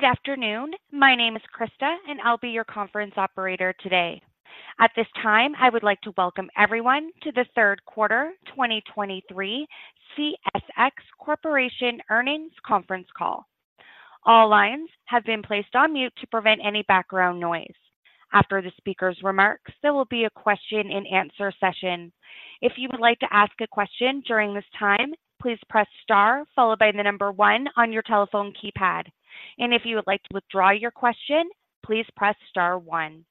Good afternoon. My name is Krista, and I'll be your conference operator today. At this time, I would like to welcome everyone to the third quarter 2023 CSX Corporation Earnings Conference Call. All lines have been placed on mute to prevent any background noise. After the speaker's remarks, there will be a question and answer session. If you would like to ask a question during this time, please press star, followed by the number one on your telephone keypad. If you would like to withdraw your question, please press star one.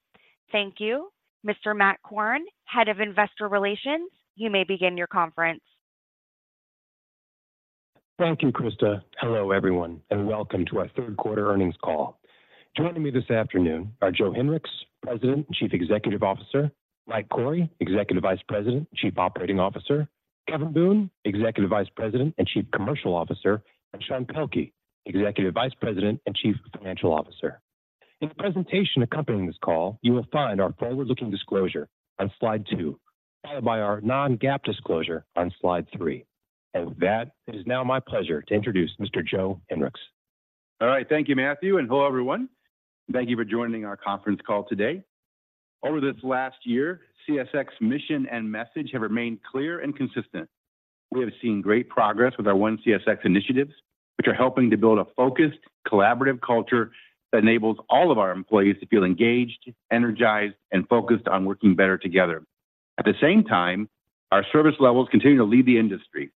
Thank you. Mr. Matt Korn, Head of Investor Relations, you may begin your conference. Thank you, Krista. Hello, everyone, and welcome to our third quarter earnings call. Joining me this afternoon are Joe Hinrichs, President and Chief Executive Officer, Mike Cory, Executive Vice President and Chief Operating Officer, Kevin Boone, Executive Vice President and Chief Commercial Officer, and Sean Pelkey, Executive Vice President and Chief Financial Officer. In the presentation accompanying this call, you will find our forward-looking disclosure on Slide 2, followed by our non-GAAP disclosure on Slide 3. With that, it is now my pleasure to introduce Mr. Joe Hinrichs. All right. Thank you, Matthew, and hello, everyone. Thank you for joining our conference call today. Over this last year, CSX mission and message have remained clear and consistent. We have seen great progress with our ONE CSX initiatives, which are helping to build a focused, collaborative culture that enables all of our employees to feel engaged, energized, and focused on working better together. At the same time, our service levels continue to lead the industry.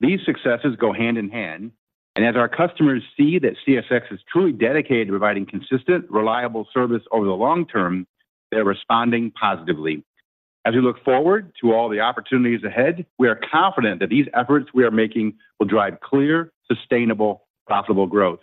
These successes go hand in hand, and as our customers see that CSX is truly dedicated to providing consistent, reliable service over the long term, they're responding positively. As we look forward to all the opportunities ahead, we are confident that these efforts we are making will drive clear, sustainable, profitable growth.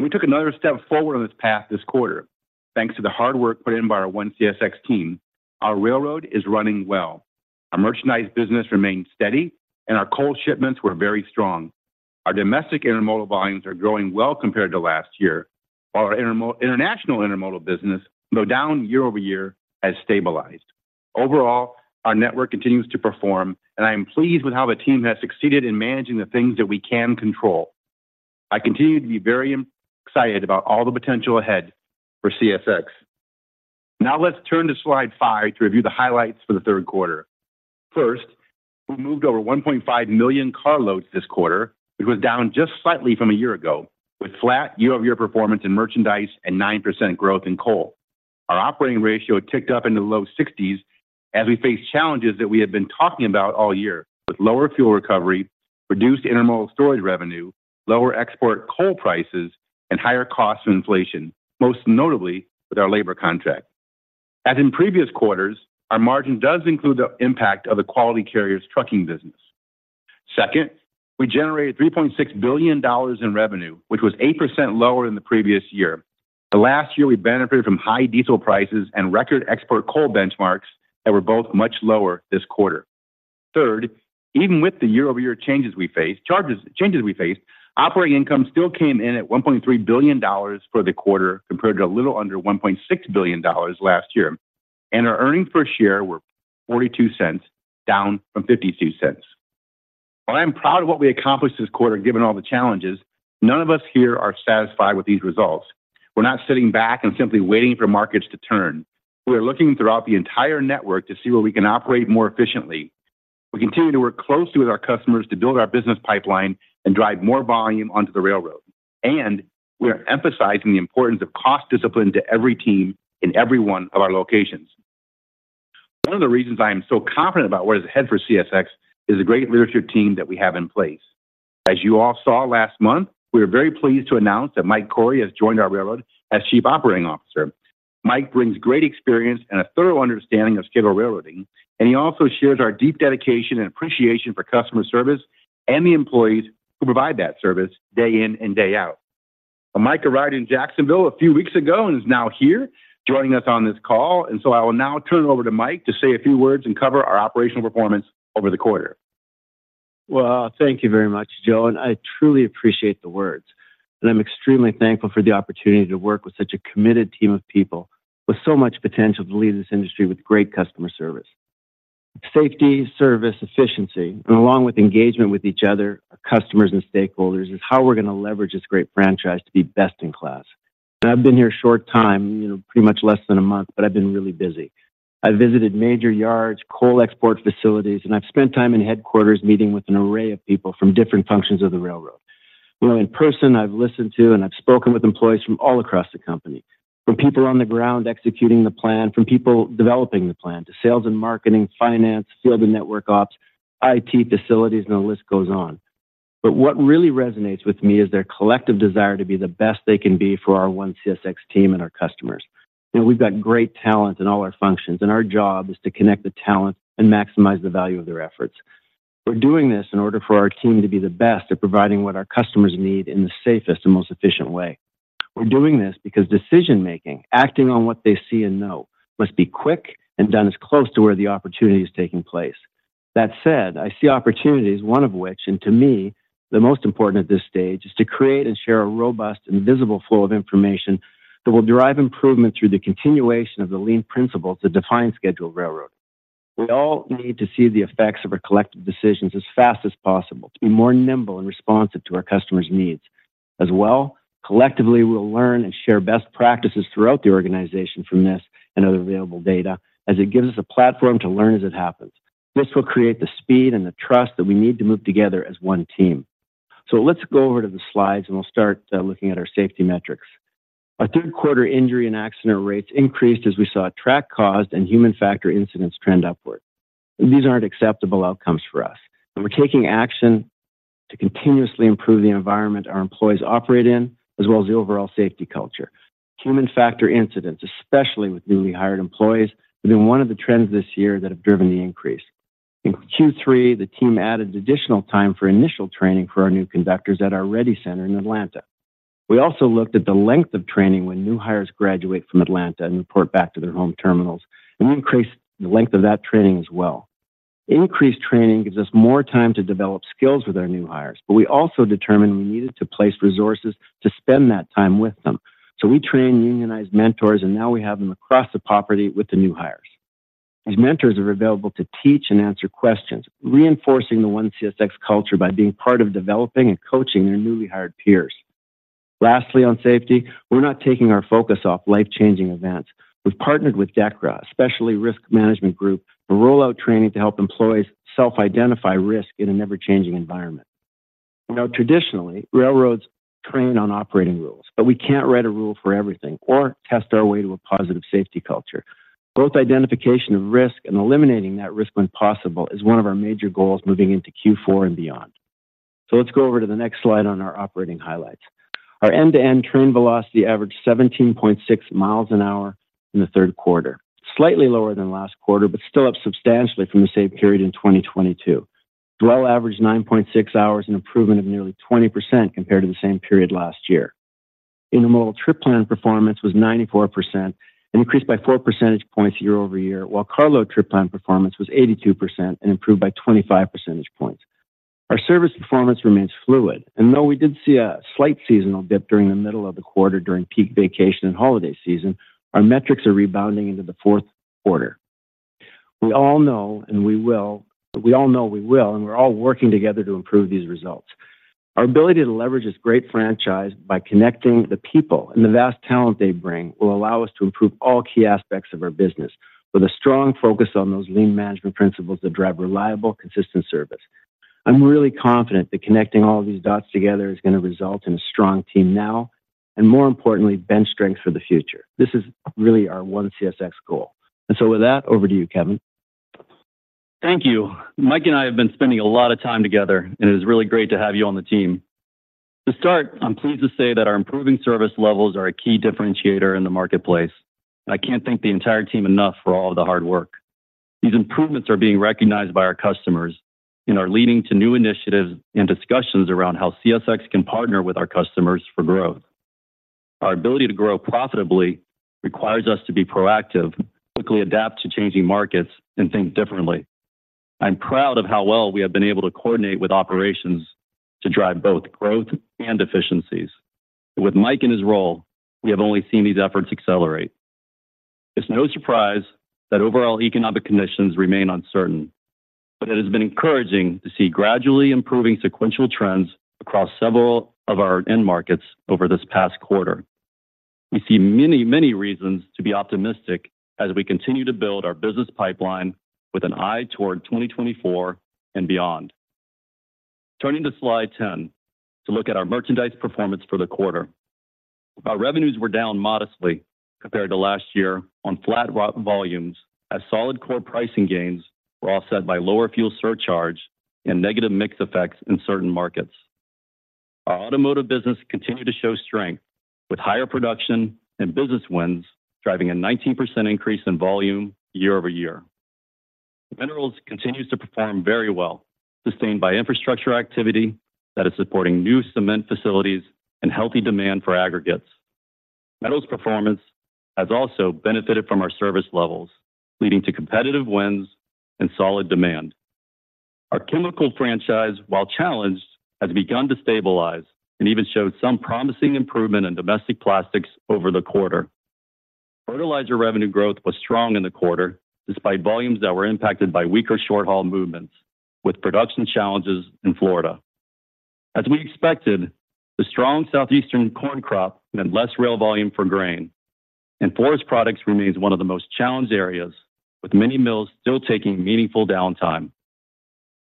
We took another step forward on this path this quarter. Thanks to the hard work put in by our ONE CSX team, our railroad is running well. Our merchandise business remains steady, and our coal shipments were very strong. Our domestic intermodal volumes are growing well compared to last year, while our international intermodal business, though down year-over-year, has stabilized. Overall, our network continues to perform, and I am pleased with how the team has succeeded in managing the things that we can control. I continue to be very excited about all the potential ahead for CSX. Now, let's turn to Slide 5 to review the highlights for the third quarter. First, we moved over 1.5 million carloads this quarter, which was down just slightly from a year ago, with flat year-over-year performance in merchandise and 9% growth in coal. Our operating ratio ticked up into the low 60s as we faced challenges that we have been talking about all year, with lower fuel recovery, reduced intermodal storage revenue, lower export coal prices, and higher costs from inflation, most notably with our labor contract. As in previous quarters, our margin does include the impact of the Quality Carriers trucking business. Second, we generated $3.6 billion in revenue, which was 8% lower than the previous year. The last year, we benefited from high diesel prices and record export coal benchmarks that were both much lower this quarter. Third, even with the year-over-year changes we faced, operating income still came in at $1.3 billion for the quarter, compared to a little under $1.6 billion last year, and our earnings per share were $0.42, down from $0.52. While I'm proud of what we accomplished this quarter, given all the challenges, none of us here are satisfied with these results. We're not sitting back and simply waiting for markets to turn. We are looking throughout the entire network to see where we can operate more efficiently. We continue to work closely with our customers to build our business pipeline and drive more volume onto the railroad, and we are emphasizing the importance of cost discipline to every team in every one of our locations. One of the reasons I am so confident about what is ahead for CSX is the great leadership team that we have in place. As you all saw last month, we are very pleased to announce that Mike Cory has joined our railroad as Chief Operating Officer. Mike brings great experience and a thorough understanding of scheduled railroading, and he also shares our deep dedication and appreciation for customer service and the employees who provide that service day in and day out. Mike arrived in Jacksonville a few weeks ago and is now here joining us on this call, and so I will now turn it over to Mike to say a few words and cover our operational performance over the quarter. Well, thank you very much, Joe, and I truly appreciate the words. I'm extremely thankful for the opportunity to work with such a committed team of people with so much potential to lead this industry with great customer service. Safety, service, efficiency, and along with engagement with each other, our customers, and stakeholders, is how we're gonna leverage this great franchise to be best-in-class. I've been here a short time, you know, pretty much less than a month, but I've been really busy. I visited major yards, coal export facilities, and I've spent time in headquarters meeting with an array of people from different functions of the railroad. Well, in person, I've listened to and I've spoken with employees from all across the company, from people on the ground executing the plan, from people developing the plan, to sales and marketing, finance, field and network ops, IT facilities, and the list goes on. What really resonates with me is their collective desire to be the best they can be for our ONE CSX team and our customers. We've got great talent in all our functions, and our job is to connect the talent and maximize the value of their efforts. We're doing this in order for our team to be the best at providing what our customers need in the safest and most efficient way. We're doing this because decision-making, acting on what they see and know, must be quick and done as close to where the opportunity is taking place. That said, I see opportunities, one of which, and to me, the most important at this stage, is to create and share a robust and visible flow of information that will derive improvement through the continuation of the lean principles that define scheduled railroading. We all need to see the effects of our collective decisions as fast as possible to be more nimble and responsive to our customers' needs. As well, collectively, we'll learn and share best practices throughout the organization from this and other available data, as it gives us a platform to learn as it happens. This will create the speed and the trust that we need to move together as one team. Let's go over to the slides, and we'll start looking at our safety metrics. Our third quarter injury and accident rates increased as we saw track-caused and human factor incidents trend upward. These aren't acceptable outcomes for us, and we're taking action to continuously improve the environment our employees operate in, as well as the overall safety culture. Human factor incidents, especially with newly hired employees, have been one of the trends this year that have driven the increase. In Q3, the team added additional time for initial training for our new conductors at our REDI Center in Atlanta. We also looked at the length of training when new hires graduate from Atlanta and report back to their home terminals, and we increased the length of that training as well. Increased training gives us more time to develop skills with our new hires, but we also determined we needed to place resources to spend that time with them. We trained unionized mentors, and now we have them across the property with the new hires. These mentors are available to teach and answer questions, reinforcing the ONE CSX culture by being part of developing and coaching their newly hired peers. Lastly, on safety, we're not taking our focus off life-changing events. We've partnered with DEKRA, a specialty risk management group, for rollout training to help employees self-identify risk in an ever-changing environment. Now, traditionally, railroads train on operating rules, but we can't write a rule for everything or test our way to a positive safety culture. Both identification of risk and eliminating that risk when possible is one of our major goals moving into Q4 and beyond. Let's go over to the next slide on our operating highlights. Our end-to-end turn velocity averaged 17.6 miles an hour in the third quarter, slightly lower than last quarter, but still up substantially from the same period in 2022. Dwell averaged 9.6 hours, an improvement of nearly 20% compared to the same period last year. Intermodal trip plan performance was 94% and increased by 4 percentage points year-over-year, while carload trip plan performance was 82% and improved by 25 percentage points. Our service performance remains fluid, and though we did see a slight seasonal dip during the middle of the quarter during peak vacation and holiday season, our metrics are rebounding into the fourth quarter. We all know we will, and we're all working together to improve these results. Our ability to leverage this great franchise by connecting the people and the vast talent they bring will allow us to improve all key aspects of our business, with a strong focus on those lean management principles that drive reliable, consistent service. I'm really confident that connecting all these dots together is gonna result in a strong team now, and more importantly, bench strength for the future. This is really our ONE CSX goal. With that, over to you, Kevin. Thank you. Mike and I have been spending a lot of time together, and it is really great to have you on the team. To start, I'm pleased to say that our improving service levels are a key differentiator in the marketplace. I can't thank the entire team enough for all of the hard work. These improvements are being recognized by our customers and are leading to new initiatives and discussions around how CSX can partner with our customers for growth. Our ability to grow profitably requires us to be proactive, quickly adapt to changing markets, and think differently. I'm proud of how well we have been able to coordinate with operations to drive both growth and efficiencies. With Mike in his role, we have only seen these efforts accelerate. It's no surprise that overall economic conditions remain uncertain, but it has been encouraging to see gradually improving sequential trends across several of our end markets over this past quarter. We see many, many reasons to be optimistic as we continue to build our business pipeline with an eye toward 2024 and beyond. Turning to Slide 10 to look at our merchandise performance for the quarter, our revenues were down modestly compared to last year on flat carload volumes, as solid core pricing gains were offset by lower fuel surcharge and negative mix effects in certain markets. Our automotive business continued to show strength, with higher production and business wins, driving a 19% increase in volume year-over-year. Minerals continues to perform very well, sustained by infrastructure activity that is supporting new cement facilities and healthy demand for aggregates. Metals performance has also benefited from our service levels, leading to competitive wins and solid demand. Our chemical franchise, while challenged, has begun to stabilize and even showed some promising improvement in domestic plastics over the quarter. Fertilizer revenue growth was strong in the quarter, despite volumes that were impacted by weaker short-haul movements, with production challenges in Florida. As we expected, the strong Southeastern corn crop meant less rail volume for grain, and forest products remains one of the most challenged areas, with many mills still taking meaningful downtime.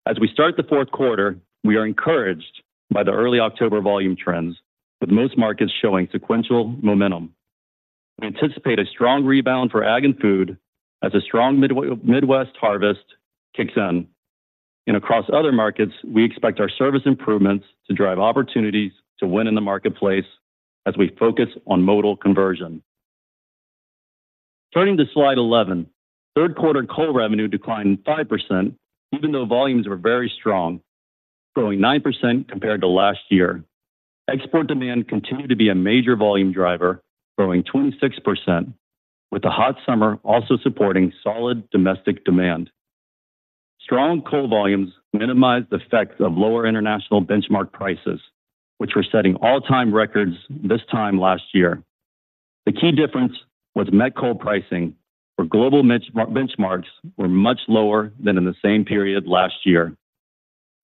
As we start the fourth quarter, we are encouraged by the early October volume trends, with most markets showing sequential momentum. We anticipate a strong rebound for ag and food as a strong Midwest harvest kicks in. Across other markets, we expect our service improvements to drive opportunities to win in the marketplace as we focus on modal conversion. Turning to Slide 11, third quarter coal revenue declined 5%, even though volumes were very strong, growing 9% compared to last year. Export demand continued to be a major volume driver, growing 26%, with the hot summer also supporting solid domestic demand. Strong coal volumes minimized the effects of lower international benchmark prices, which were setting all-time records this time last year. The key difference was met coal pricing, where global benchmarks were much lower than in the same period last year.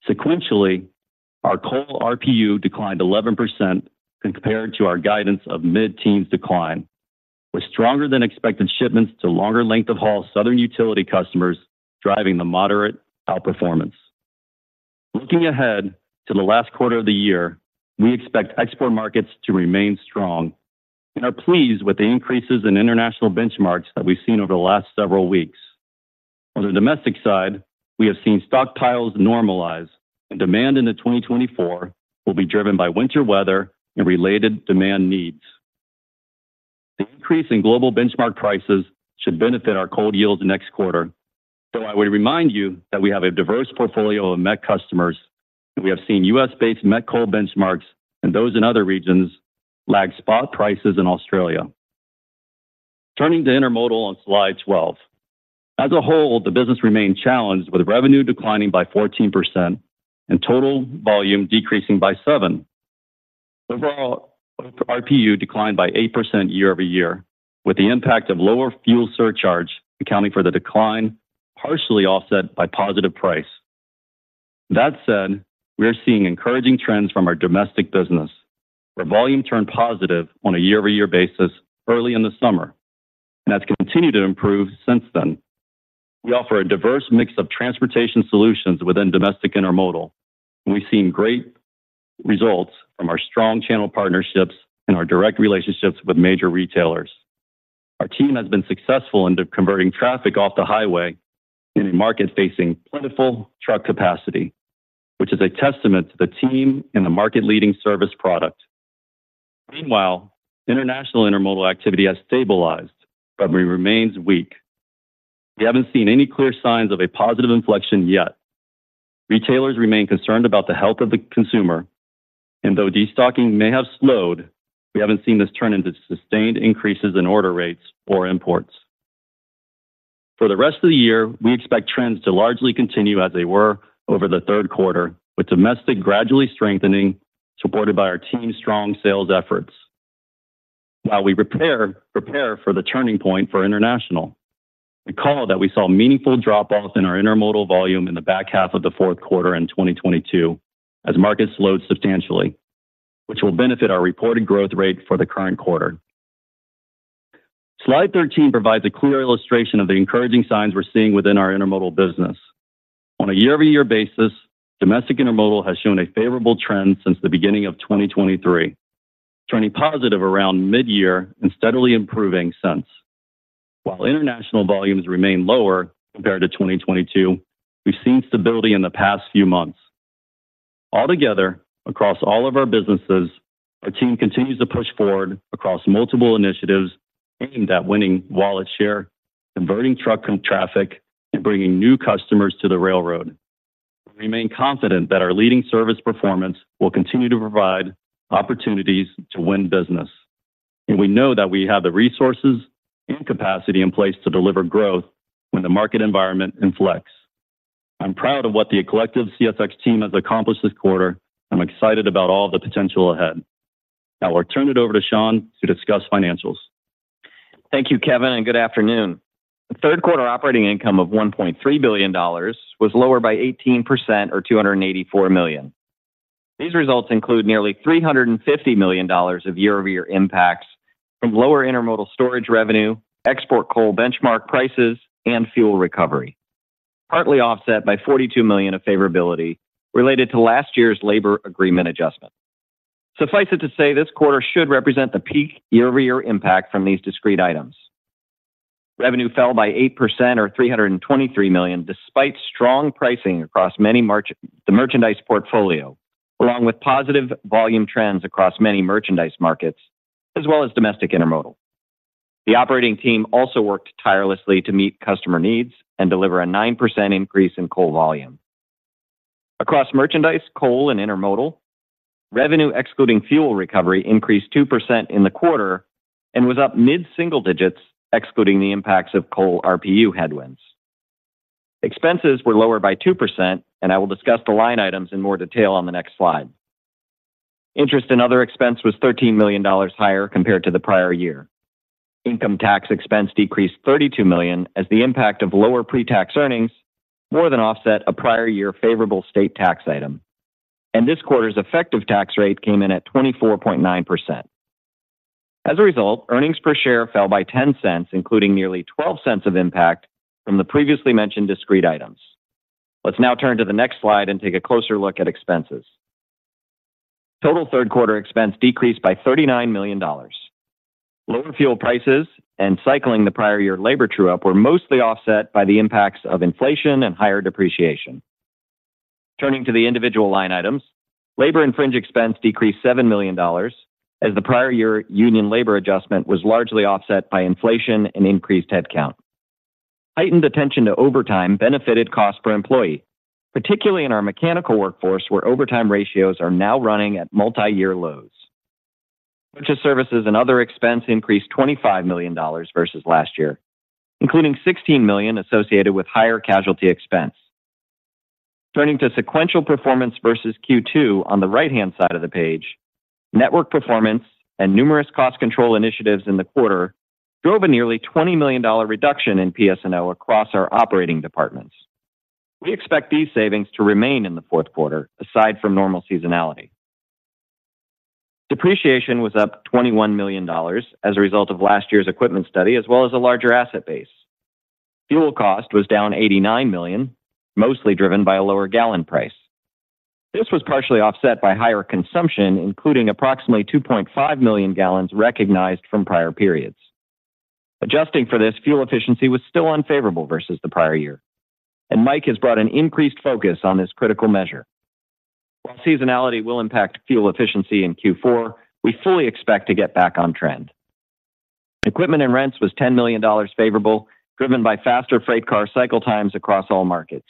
Sequentially, our coal RPU declined 11% compared to our guidance of mid-teens decline, with stronger-than-expected shipments to longer length of haul southern utility customers driving the moderate outperformance. Looking ahead to the last quarter of the year, we expect export markets to remain strong, and are pleased with the increases in international benchmarks that we've seen over the last several weeks. On the domestic side, we have seen stockpiles normalize, and demand into 2024 will be driven by winter weather and related demand needs. The increase in global benchmark prices should benefit our coal yields next quarter, though I would remind you that we have a diverse portfolio of met customers, and we have seen U.S.-based met coal benchmarks and those in other regions lag spot prices in Australia. Turning to intermodal on Slide 12. As a whole, the business remained challenged, with revenue declining by 14% and total volume decreasing by seven. Overall, RPU declined by 8% year-over-year, with the impact of lower fuel surcharge accounting for the decline, partially offset by positive price. That said, we are seeing encouraging trends from our domestic business, where volume turned positive on a year-over-year basis early in the summer and has continued to improve since then. We offer a diverse mix of transportation solutions within domestic intermodal. We've seen great results from our strong channel partnerships and our direct relationships with major retailers. Our team has been successful in converting traffic off the highway in a market facing plentiful truck capacity, which is a testament to the team and the market-leading service product. Meanwhile, international intermodal activity has stabilized, but remains weak. We haven't seen any clear signs of a positive inflection yet. Retailers remain concerned about the health of the consumer, and though destocking may have slowed, we haven't seen this turn into sustained increases in order rates or imports. For the rest of the year, we expect trends to largely continue as they were over the third quarter, with domestic gradually strengthening, supported by our team's strong sales efforts, while we prepare for the turning point for international. Recall that we saw meaningful drop-offs in our intermodal volume in the back half of the fourth quarter in 2022 as markets slowed substantially, which will benefit our reported growth rate for the current quarter. Slide 13 provides a clear illustration of the encouraging signs we're seeing within our intermodal business. On a year-over-year basis, domestic intermodal has shown a favorable trend since the beginning of 2023, turning positive around mid-year and steadily improving since. While international volumes remain lower compared to 2022, we've seen stability in the past few months. Altogether, across all of our businesses, our team continues to push forward across multiple initiatives, aiming at winning wallet share, converting truck traffic, and bringing new customers to the railroad. We remain confident that our leading service performance will continue to provide opportunities to win business, and we know that we have the resources and capacity in place to deliver growth when the market environment inflects. I'm proud of what the collective CSX team has accomplished this quarter. I'm excited about all the potential ahead. Now I'll turn it over to Sean to discuss financials. Thank you, Kevin, and good afternoon. Third quarter operating income of $1.3 billion was lower by 18% or $284 million. These results include nearly $350 million of year-over-year impacts from lower intermodal storage revenue, export coal benchmark prices, and fuel recovery, partly offset by $42 million of favorability related to last year's labor agreement adjustment. Suffice it to say, this quarter should represent the peak year-over-year impact from these discrete items. Revenue fell by 8%, or $323 million, despite strong pricing across the merchandise portfolio, along with positive volume trends across many merchandise markets, as well as domestic intermodal. The operating team also worked tirelessly to meet customer needs and deliver a 9% increase in coal volume. Across merchandise, coal, and intermodal, revenue excluding fuel recovery increased 2% in the quarter and was up mid-single digits, excluding the impacts of coal RPU headwinds. Expenses were lower by 2%, and I will discuss the line items in more detail on the next slide. Interest and other expense was $13 million higher compared to the prior year. Income tax expense decreased $32 million as the impact of lower pre-tax earnings more than offset a prior year favorable state tax item, and this quarter's effective tax rate came in at 24.9%. As a result, earnings per share fell by $0.10, including nearly $0.12 of impact from the previously mentioned discrete items. Let's now turn to the next slide and take a closer look at expenses. Total third quarter expense decreased by $39 million. Lower fuel prices and cycling the prior year labor true-up were mostly offset by the impacts of inflation and higher depreciation. Turning to the individual line items, labor and fringe expense decreased $7 million, as the prior year union labor adjustment was largely offset by inflation and increased headcount. Heightened attention to overtime benefited cost per employee, particularly in our mechanical workforce, where overtime ratios are now running at multiyear lows. Purchase services and other expense increased $25 million versus last year, including $16 million associated with higher casualty expense. Turning to sequential performance versus Q2, on the right-hand side of the page, network performance and numerous cost control initiatives in the quarter drove a nearly $20 million reduction in PS&O across our operating departments. We expect these savings to remain in the fourth quarter, aside from normal seasonality. Depreciation was up $21 million as a result of last year's equipment study, as well as a larger asset base. Fuel cost was down $89 million, mostly driven by a lower gallon price. This was partially offset by higher consumption, including approximately 2.5 million gallons recognized from prior periods. Adjusting for this, fuel efficiency was still unfavorable versus the prior year, and Mike has brought an increased focus on this critical measure. While seasonality will impact fuel efficiency in Q4, we fully expect to get back on trend. Equipment and rents was $10 million favorable, driven by faster freight car cycle times across all markets.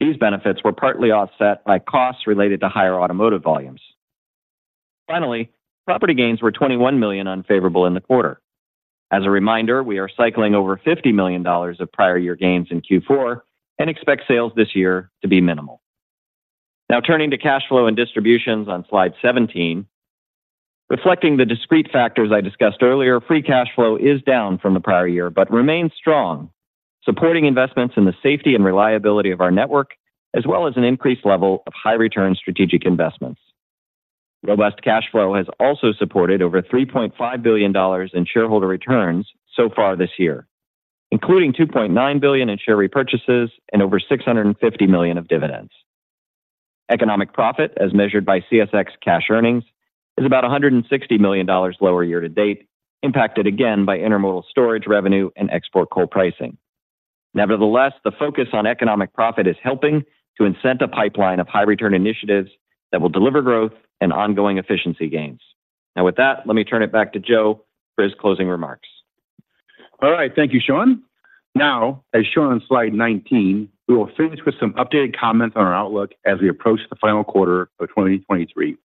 These benefits were partly offset by costs related to higher automotive volumes. Finally, property gains were $21 million unfavorable in the quarter. As a reminder, we are cycling over $50 million of prior-year gains in Q4 and expect sales this year to be minimal. Now, turning to cash flow and distributions on Slide 17. Reflecting the discrete factors I discussed earlier, free cash flow is down from the prior year, but remains strong, supporting investments in the safety and reliability of our network, as well as an increased level of high-return strategic investments. Robust cash flow has also supported over $3.5 billion in shareholder returns so far this year, including $2.9 billion in share repurchases and over $650 million of dividends. Economic profit, as measured by CSX cash earnings, is about $160 million lower year-to-date, impacted again by intermodal storage revenue and export coal pricing. Nevertheless, the focus on economic profit is helping to incent a pipeline of high-return initiatives that will deliver growth and ongoing efficiency gains. Now, with that, let me turn it back to Joe for his closing remarks. All right. Thank you, Sean. Now, as shown on Slide 19 we will finish with some updated comments on our outlook as we approach the final quarter of 2023.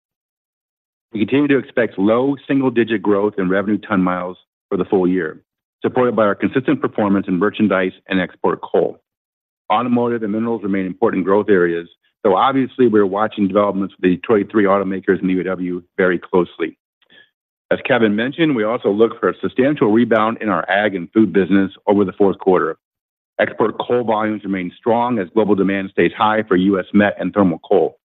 We continue to expect low single-digit growth in revenue ton miles for the full year, supported by our consistent performance in merchandise and export coal. Automotive and minerals remain important growth areas, though obviously, we're watching developments with the Detroit 3 automakers and UAW very closely. As Kevin mentioned, we also look for a substantial rebound in our ag and food business over the fourth quarter. Export coal volumes remain strong as global demand stays high for U.S. met and thermal coal.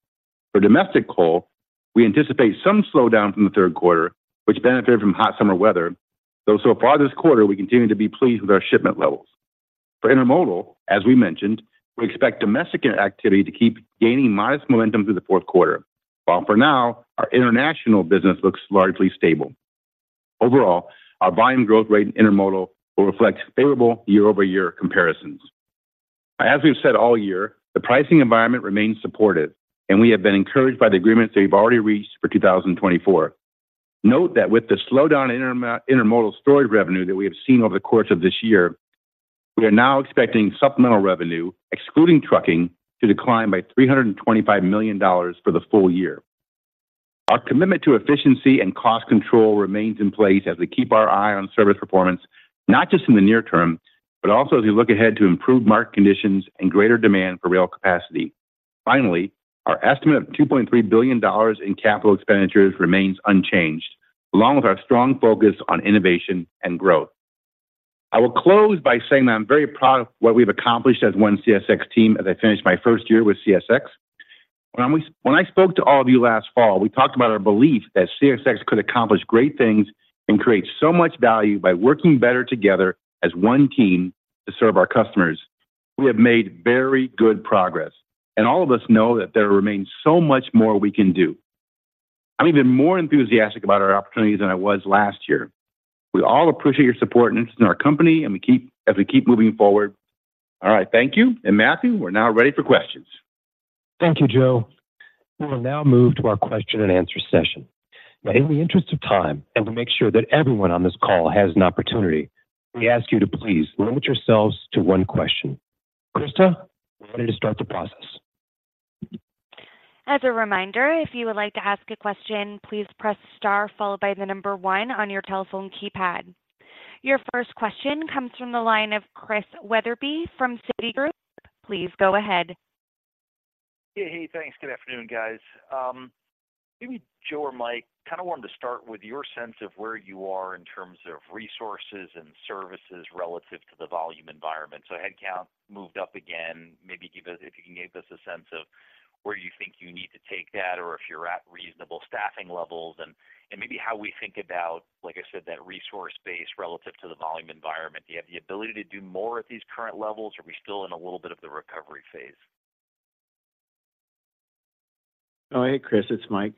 For domestic coal, we anticipate some slowdown from the third quarter, which benefited from hot summer weather. So far this quarter, we continue to be pleased with our shipment levels. For intermodal, as we mentioned, we expect domestic activity to keep gaining modest momentum through the fourth quarter, while for now, our international business looks largely stable. Overall, our volume growth rate in intermodal will reflect favorable year-over-year comparisons. As we've said all year, the pricing environment remains supportive, and we have been encouraged by the agreements that we've already reached for 2024. Note that with the slowdown in intermodal storage revenue that we have seen over the course of this year, we are now expecting supplemental revenue, excluding trucking, to decline by $325 million for the full year. Our commitment to efficiency and cost control remains in place as we keep our eye on service performance, not just in the near term, but also as we look ahead to improved market conditions and greater demand for rail capacity. Finally, our estimate of $2.3 billion in capital expenditures remains unchanged, along with our strong focus on innovation and growth. I will close by saying that I'm very proud of what we've accomplished as ONE CSX team as I finish my first year with CSX. When I spoke to all of you last fall, we talked about our belief that CSX could accomplish great things and create so much value by working better together as one team to serve our customers. We have made very good progress, and all of us know that there remains so much more we can do. I'm even more enthusiastic about our opportunities than I was last year. We all appreciate your support and interest in our company as we keep moving forward. All right, thank you. Matthew, we're now ready for questions. Thank you, Joe. We'll now move to our question and answer session. Now, in the interest of time, and to make sure that everyone on this call has an opportunity, we ask you to please limit yourselves to one question. Krista, we're ready to start the process. As a reminder, if you would like to ask a question, please press star followed by the number one on your telephone keypad. Your first question comes from the line of Chris Wetherbee from Citigroup. Please go ahead. Hey, hey, thanks. Good afternoon, guys. Maybe Joe or Mike, kind of wanted to start with your sense of where you are in terms of resources and services relative to the volume environment. Headcount moved up again. If you can give us a sense of where you think you need to take that or if you're at reasonable staffing levels and maybe how we think about, like I said, that resource base relative to the volume environment. Do you have the ability to do more at these current levels, or are we still in a little bit of the recovery phase? Oh, hey, Chris, it's Mike.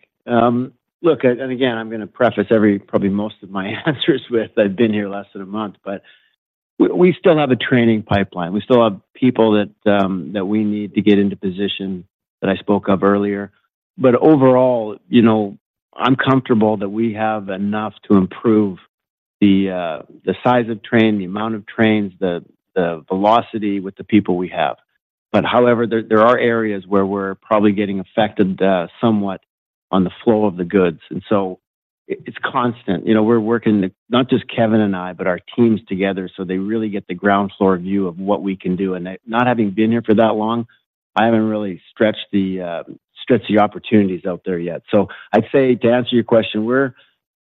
Look, and again, I'm gonna preface probably most of my answers with I've been here less than a month, but we still have a training pipeline. We still have people that we need to get into position that I spoke of earlier. Overall, you know, I'm comfortable that we have enough to improve. The size of train, the amount of trains, the velocity with the people we have. However, there are areas where we're probably getting affected somewhat on the flow of the goods, and so it's constant. You know, we're working, not just Kevin and I, but our teams together, so they really get the ground floor view of what we can do. Not having been here for that long, I haven't really stretched the opportunities out there yet. I'd say, to answer your question, we're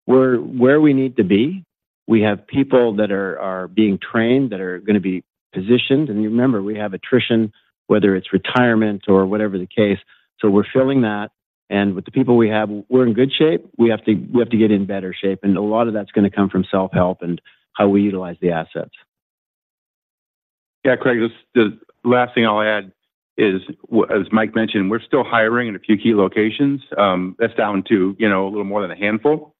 where we need to be. We have people that are being trained, that are gonna be positioned. Remember, we have attrition, whether it's retirement or whatever the case, so we're filling that. With the people we have, we're in good shape. We have to, we have to get in better shape, and a lot of that's gonna come from self-help and how we utilize the assets. Yeah, Chris, the last thing I'll add is, as Mike mentioned, we're still hiring in a few key locations. That's down to, you know, a little more than a handful.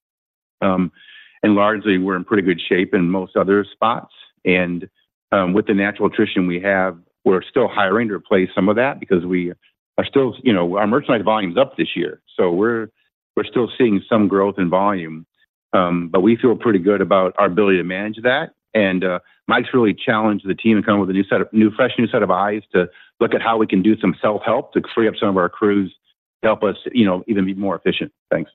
Largely, we're in pretty good shape in most other spots. With the natural attrition we have, we're still hiring to replace some of that. You know, our merchandise volume is up this year, so we're still seeing some growth in volume. We feel pretty good about our ability to manage that. Mike's really challenged the team to come up with a fresh new set of eyes to look at how we can do some self-help to free up some of our crews to help us, you know, even be more efficient. Thanks.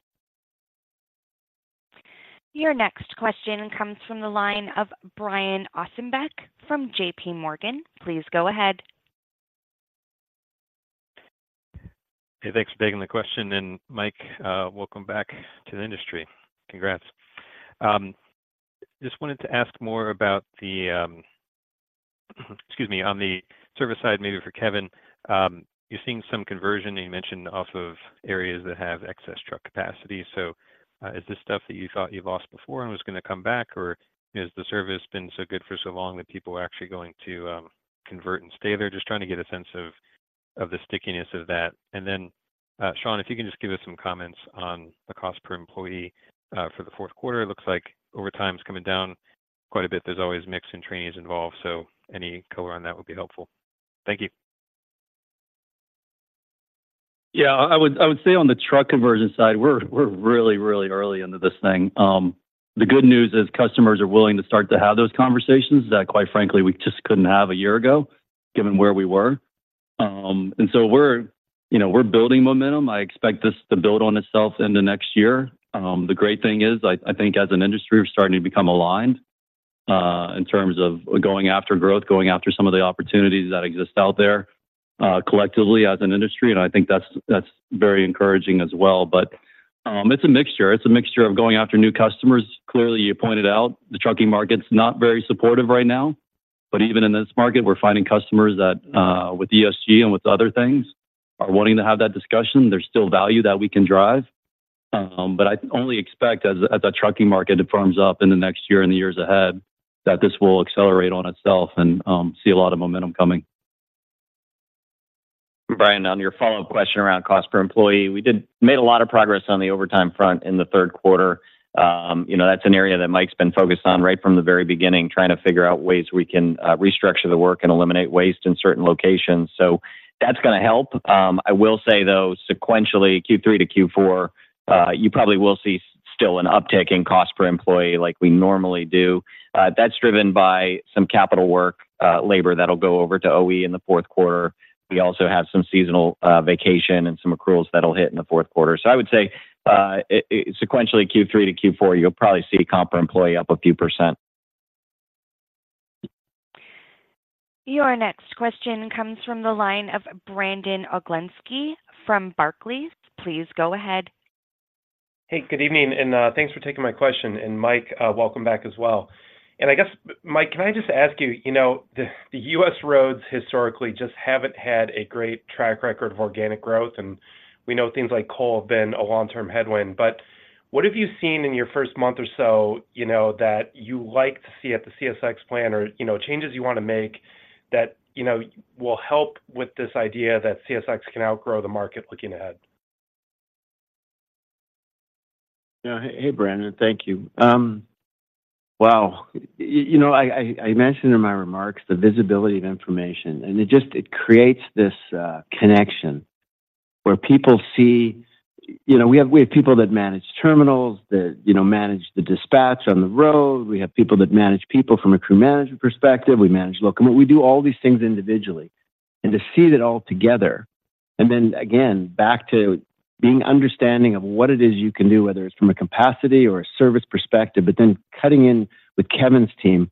Your next question comes from the line of Brian Ossenbeck from JPMorgan. Please go ahead. Hey, thanks for taking the question. Mike, welcome back to the industry. Congrats. Just wanted to ask more about the, excuse me, on the service side, maybe for Kevin. You're seeing some conversion, and you mentioned off of areas that have excess truck capacity. Is this stuff that you thought you lost before and was gonna come back, or has the service been so good for so long that people are actually going to convert and stay there? Just trying to get a sense of the stickiness of that. Sean, if you can just give us some comments on the cost per employee for the fourth quarter. It looks like overtime is coming down quite a bit. There's always mix and trainings involved, so any color on that would be helpful. Thank you. Yeah, I would say on the truck conversion side, we're really, really early into this thing. The good news is customers are willing to start to have those conversations that, quite frankly, we just couldn't have a year ago, given where we were. So we're, you know, building momentum. I expect this to build on itself into next year. The great thing is, I think, as an industry, we're starting to become aligned in terms of going after growth, going after some of the opportunities that exist out there, collectively as an industry, and I think that's very encouraging as well. But it's a mixture. It's a mixture of going after new customers. Clearly, you pointed out the trucking market's not very supportive right now, but even in this market, we're finding customers that, with ESG and with other things, are wanting to have that discussion. There's still value that we can drive, but I only expect as that trucking market firms up in the next year and the years ahead, that this will accelerate on itself and see a lot of momentum coming. Brian, on your follow-up question around cost per employee, we made a lot of progress on the overtime front in the third quarter. You know, that's an area that Mike's been focused on right from the very beginning, trying to figure out ways we can restructure the work and eliminate waste in certain locations. That's gonna help. I will say, though, sequentially, Q3-Q4, you probably will see still an uptick in cost per employee like we normally do. That's driven by some capital work, labor, that'll go over to OE in the fourth quarter. We also have some seasonal vacation and some accruals that'll hit in the fourth quarter. I would say, sequentially, Q3-Q4, you'll probably see cost per employee up a few percent. Your next question comes from the line of Brandon Oglenski from Barclays. Please go ahead. Hey, good evening, and thanks for taking my question. Mike, welcome back as well. I guess, Mike, can I just ask you, you know, the U.S. roads historically just haven't had a great track record of organic growth, and we know things like coal have been a long-term headwind. What have you seen in your first month or so, you know, that you like to see at the CSX plan or, you know, changes you want to make that, you know, will help with this idea that CSX can outgrow the market looking ahead? Yeah. Hey, Brandon. Thank you. Wow, you know, I mentioned in my remarks the visibility of information, and it just, it creates this connection where people see. You know, we have people that manage terminals, that, you know, manage the dispatch on the road. We have people that manage people from a crew management perspective. We manage locomotive. We do all these things individually, and to see that all together, and then again, back to being understanding of what it is you can do, whether it's from a capacity or a service perspective, but then cutting in with Kevin's team,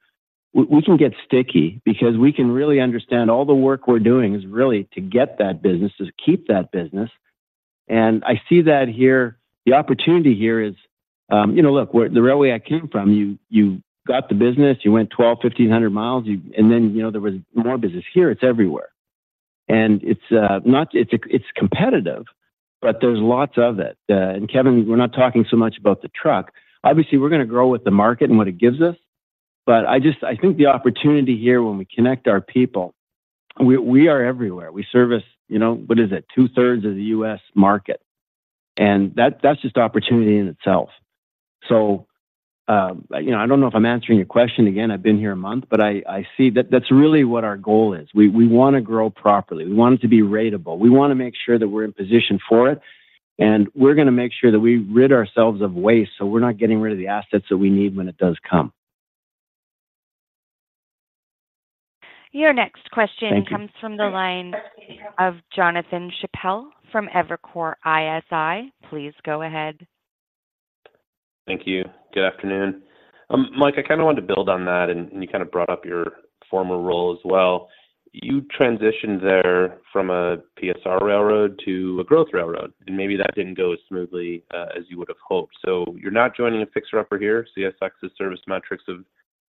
we can get sticky because we can really understand all the work we're doing is really to get that business, is to keep that business. I see that here. The opportunity here is, you know, look, where the railway I came from, you got the business, you went 1,200, 1,500 mi, and then, you know, there was more business. Here, it's everywhere. It's competitive, but there's lots of it. Kevin, we're not talking so much about the truck. Obviously, we're gonna grow with the market and what it gives us, but I just think the opportunity here when we connect our people, we are everywhere. We service, you know, what is it? Two-thirds of the U.S. market, and that's just opportunity in itself. You know, I don't know if I'm answering your question again. I've been here a month, but I see that that's really what our goal is. We wanna grow properly. We want it to be ratable. We wanna make sure that we're in position for it. We're gonna make sure that we rid ourselves of waste, so we're not getting rid of the assets that we need when it does come. Your next question. Thank you. Comes from the line of Jonathan Chappell from Evercore ISI. Please go ahead. Thank you. Good afternoon. Mike, I kind of wanted to build on that, and you kind of brought up your former role as well. You transitioned there from a PSR railroad to a growth railroad, and maybe that didn't go as smoothly as you would have hoped. You're not joining a fixer-upper here. CSX's service metrics have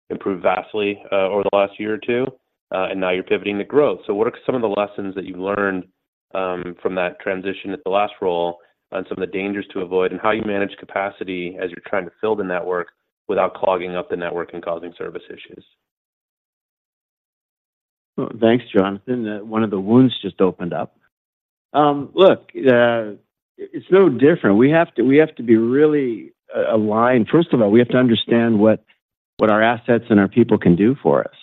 improved vastly over the last year or two, and now you're pivoting to growth. What are some of the lessons that you've learned from that transition at the last role, and some of the dangers to avoid, and how you manage capacity as you're trying to build a network without clogging up the network and causing service issues? Well, thanks, Jonathan. One of the wounds just opened up. Look, it's no different. We have to, we have to be really aligned. First of all, we have to understand what our assets and our people can do for us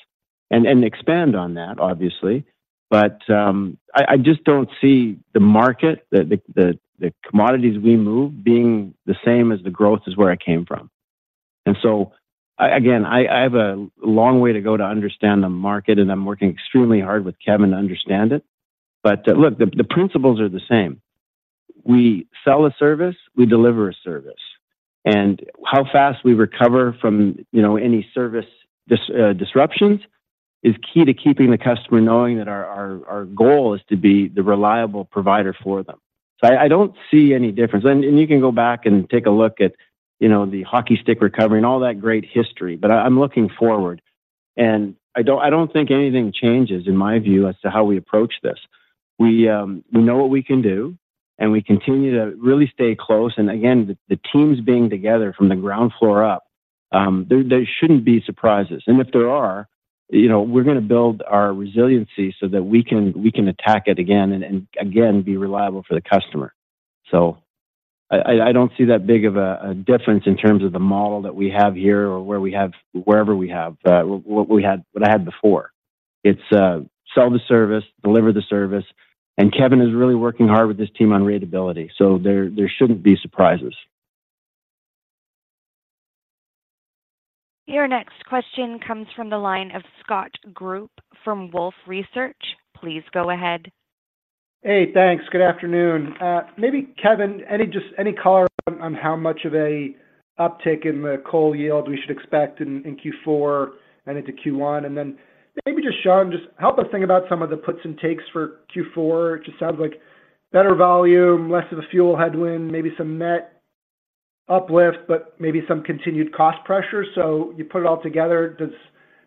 and expand on that, obviously. I just don't see the market, the commodities we move being the same as the growth as where I came from. Again, I have a long way to go to understand the market, and I'm working extremely hard with Kevin to understand it. Look, the principles are the same. We sell a service, we deliver a service, and how fast we recover from, you know, any service disruptions, is key to keeping the customer knowing that our goal is to be the reliable provider for them. I don't see any difference. You can go back and take a look at, you know, the hockey stick recovery and all that great history, but I'm looking forward, and I don't think anything changes, in my view, as to how we approach this. We know what we can do, and we continue to really stay close, and again, the teams being together from the ground floor up, there shouldn't be surprises. If there are, you know, we're gonna build our resiliency so that we can attack it again and again, be reliable for the customer. I don't see that big of a difference in terms of the model that we have here or what I had before. It's sell the service, deliver the service, and Kevin is really working hard with his team on reliability, so there shouldn't be surprises. Your next question comes from the line of Scott Group from Wolfe Research. Please go ahead. Hey, thanks. Good afternoon. Maybe, Kevin, any color on how much of a uptick in the coal yield we should expect in Q4 and into Q1? Maybe just, Sean, help us think about some of the puts and takes for Q4. It just sounds like better volume, less of the fuel headwind, maybe some net uplift, but maybe some continued cost pressure. You put it all together, do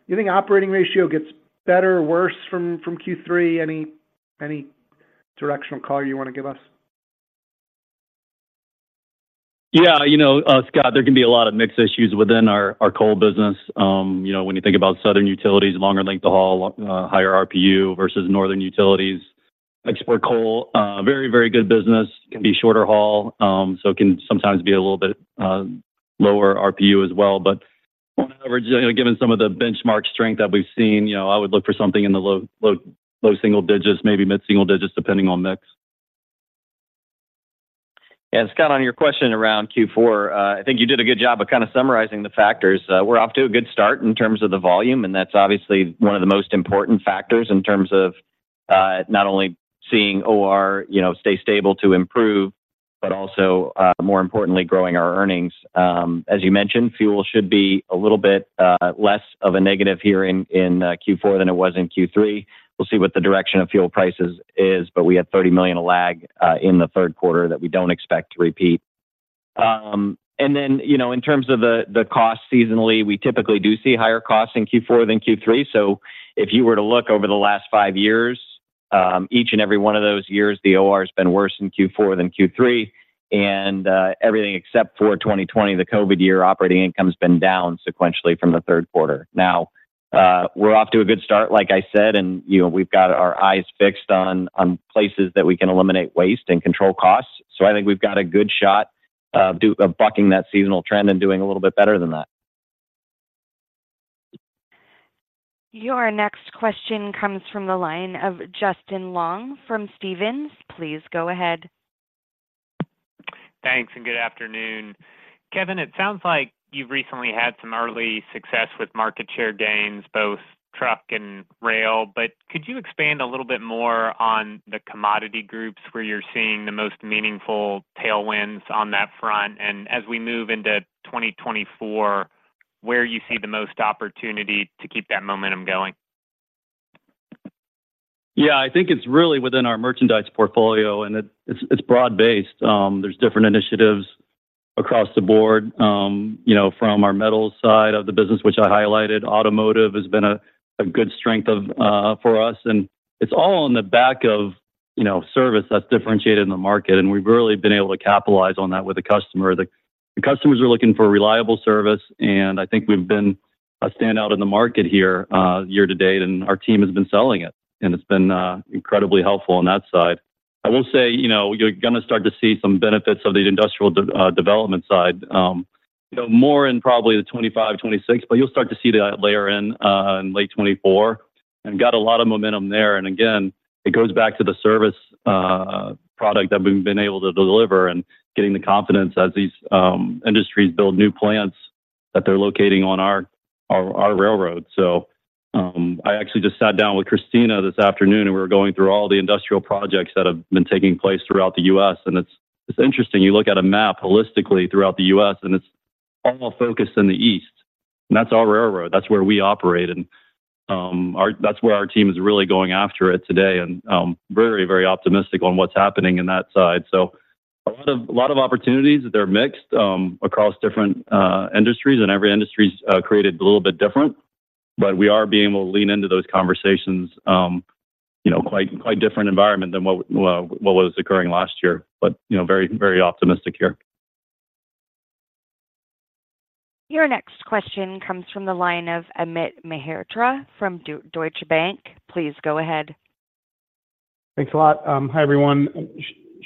you think operating ratio gets better or worse from Q3? Any directional call you want to give us? Yeah, you know, Scott, there can be a lot of mix issues within our coal business. You know, when you think about southern utilities, longer length of haul, higher RPU versus northern utilities, export coal, very, very good business, can be shorter haul, so it can sometimes be a little bit lower RPU as well. On average, you know, given some of the benchmark strength that we've seen, you know, I would look for something in the low, low, low single digits, maybe mid-single digits, depending on mix. Yeah, Scott, on your question around Q4, I think you did a good job of kind of summarizing the factors. We're off to a good start in terms of the volume, and that's obviously one of the most important factors in terms of not only seeing OR, you know, stay stable to improve, but also more importantly, growing our earnings. As you mentioned, fuel should be a little bit less of a negative here in Q4 than it was in Q3. We'll see what the direction of fuel prices is, but we had $30 million lag in the third quarter that we don't expect to repeat. You know, in terms of the cost seasonally, we typically do see higher costs in Q4 than Q3. If you were to look over the last 5 years, each and every one of those years, the OR has been worse in Q4 than Q3, and everything except for 2020, the COVID year, operating income has been down sequentially from the third quarter. Now we're off to a good start, like I said, and, you know, we've got our eyes fixed on places that we can eliminate waste and control costs. I think we've got a good shot of bucking that seasonal trend and doing a little bit better than that. Your next question comes from the line of Justin Long from Stephens. Please go ahead. Thanks, and good afternoon. Kevin, it sounds like you've recently had some early success with market share gains, both truck and rail, but could you expand a little bit more on the commodity groups where you're seeing the most meaningful tailwinds on that front? As we move into 2024, where you see the most opportunity to keep that momentum going? Yeah, I think it's really within our merchandise portfolio, and it's broad-based. There's different initiatives across the board, you know, from our metals side of the business, which I highlighted. Automotive has been a good strength for us, and it's all on the back of, you know, service that's differentiated in the market, and we've really been able to capitalize on that with the customer. The customers are looking for a reliable service, and I think we've been a standout in the market here year-to-date, and our team has been selling it, and it's been incredibly helpful on that side. I will say, you know, you're gonna start to see some benefits of the industrial development side, you know, more in probably 2025, 2026, but you'll start to see that layer in in late 2024. Got a lot of momentum there. Again, it goes back to the service product that we've been able to deliver and getting the confidence as these industries build new plants that they're locating on our railroad. I actually just sat down with Christina this afternoon, and we were going through all the industrial projects that have been taking place throughout the U.S., and it's interesting, you look at a map holistically throughout the U.S., and it's all focused in the East, and that's our railroad. That's where we operate, and that's where our team is really going after it today, and very, very optimistic on what's happening in that side. A lot of, a lot of opportunities. They're mixed across different industries, and every industry's created a little bit different, but we are being able to lean into those conversations, you know, quite, quite different environment than what was occurring last year, but, you know, very, very optimistic here. Your next question comes from the line of Amit Mehrotra from Deutsche Bank. Please go ahead. Thanks a lot. Hi, everyone.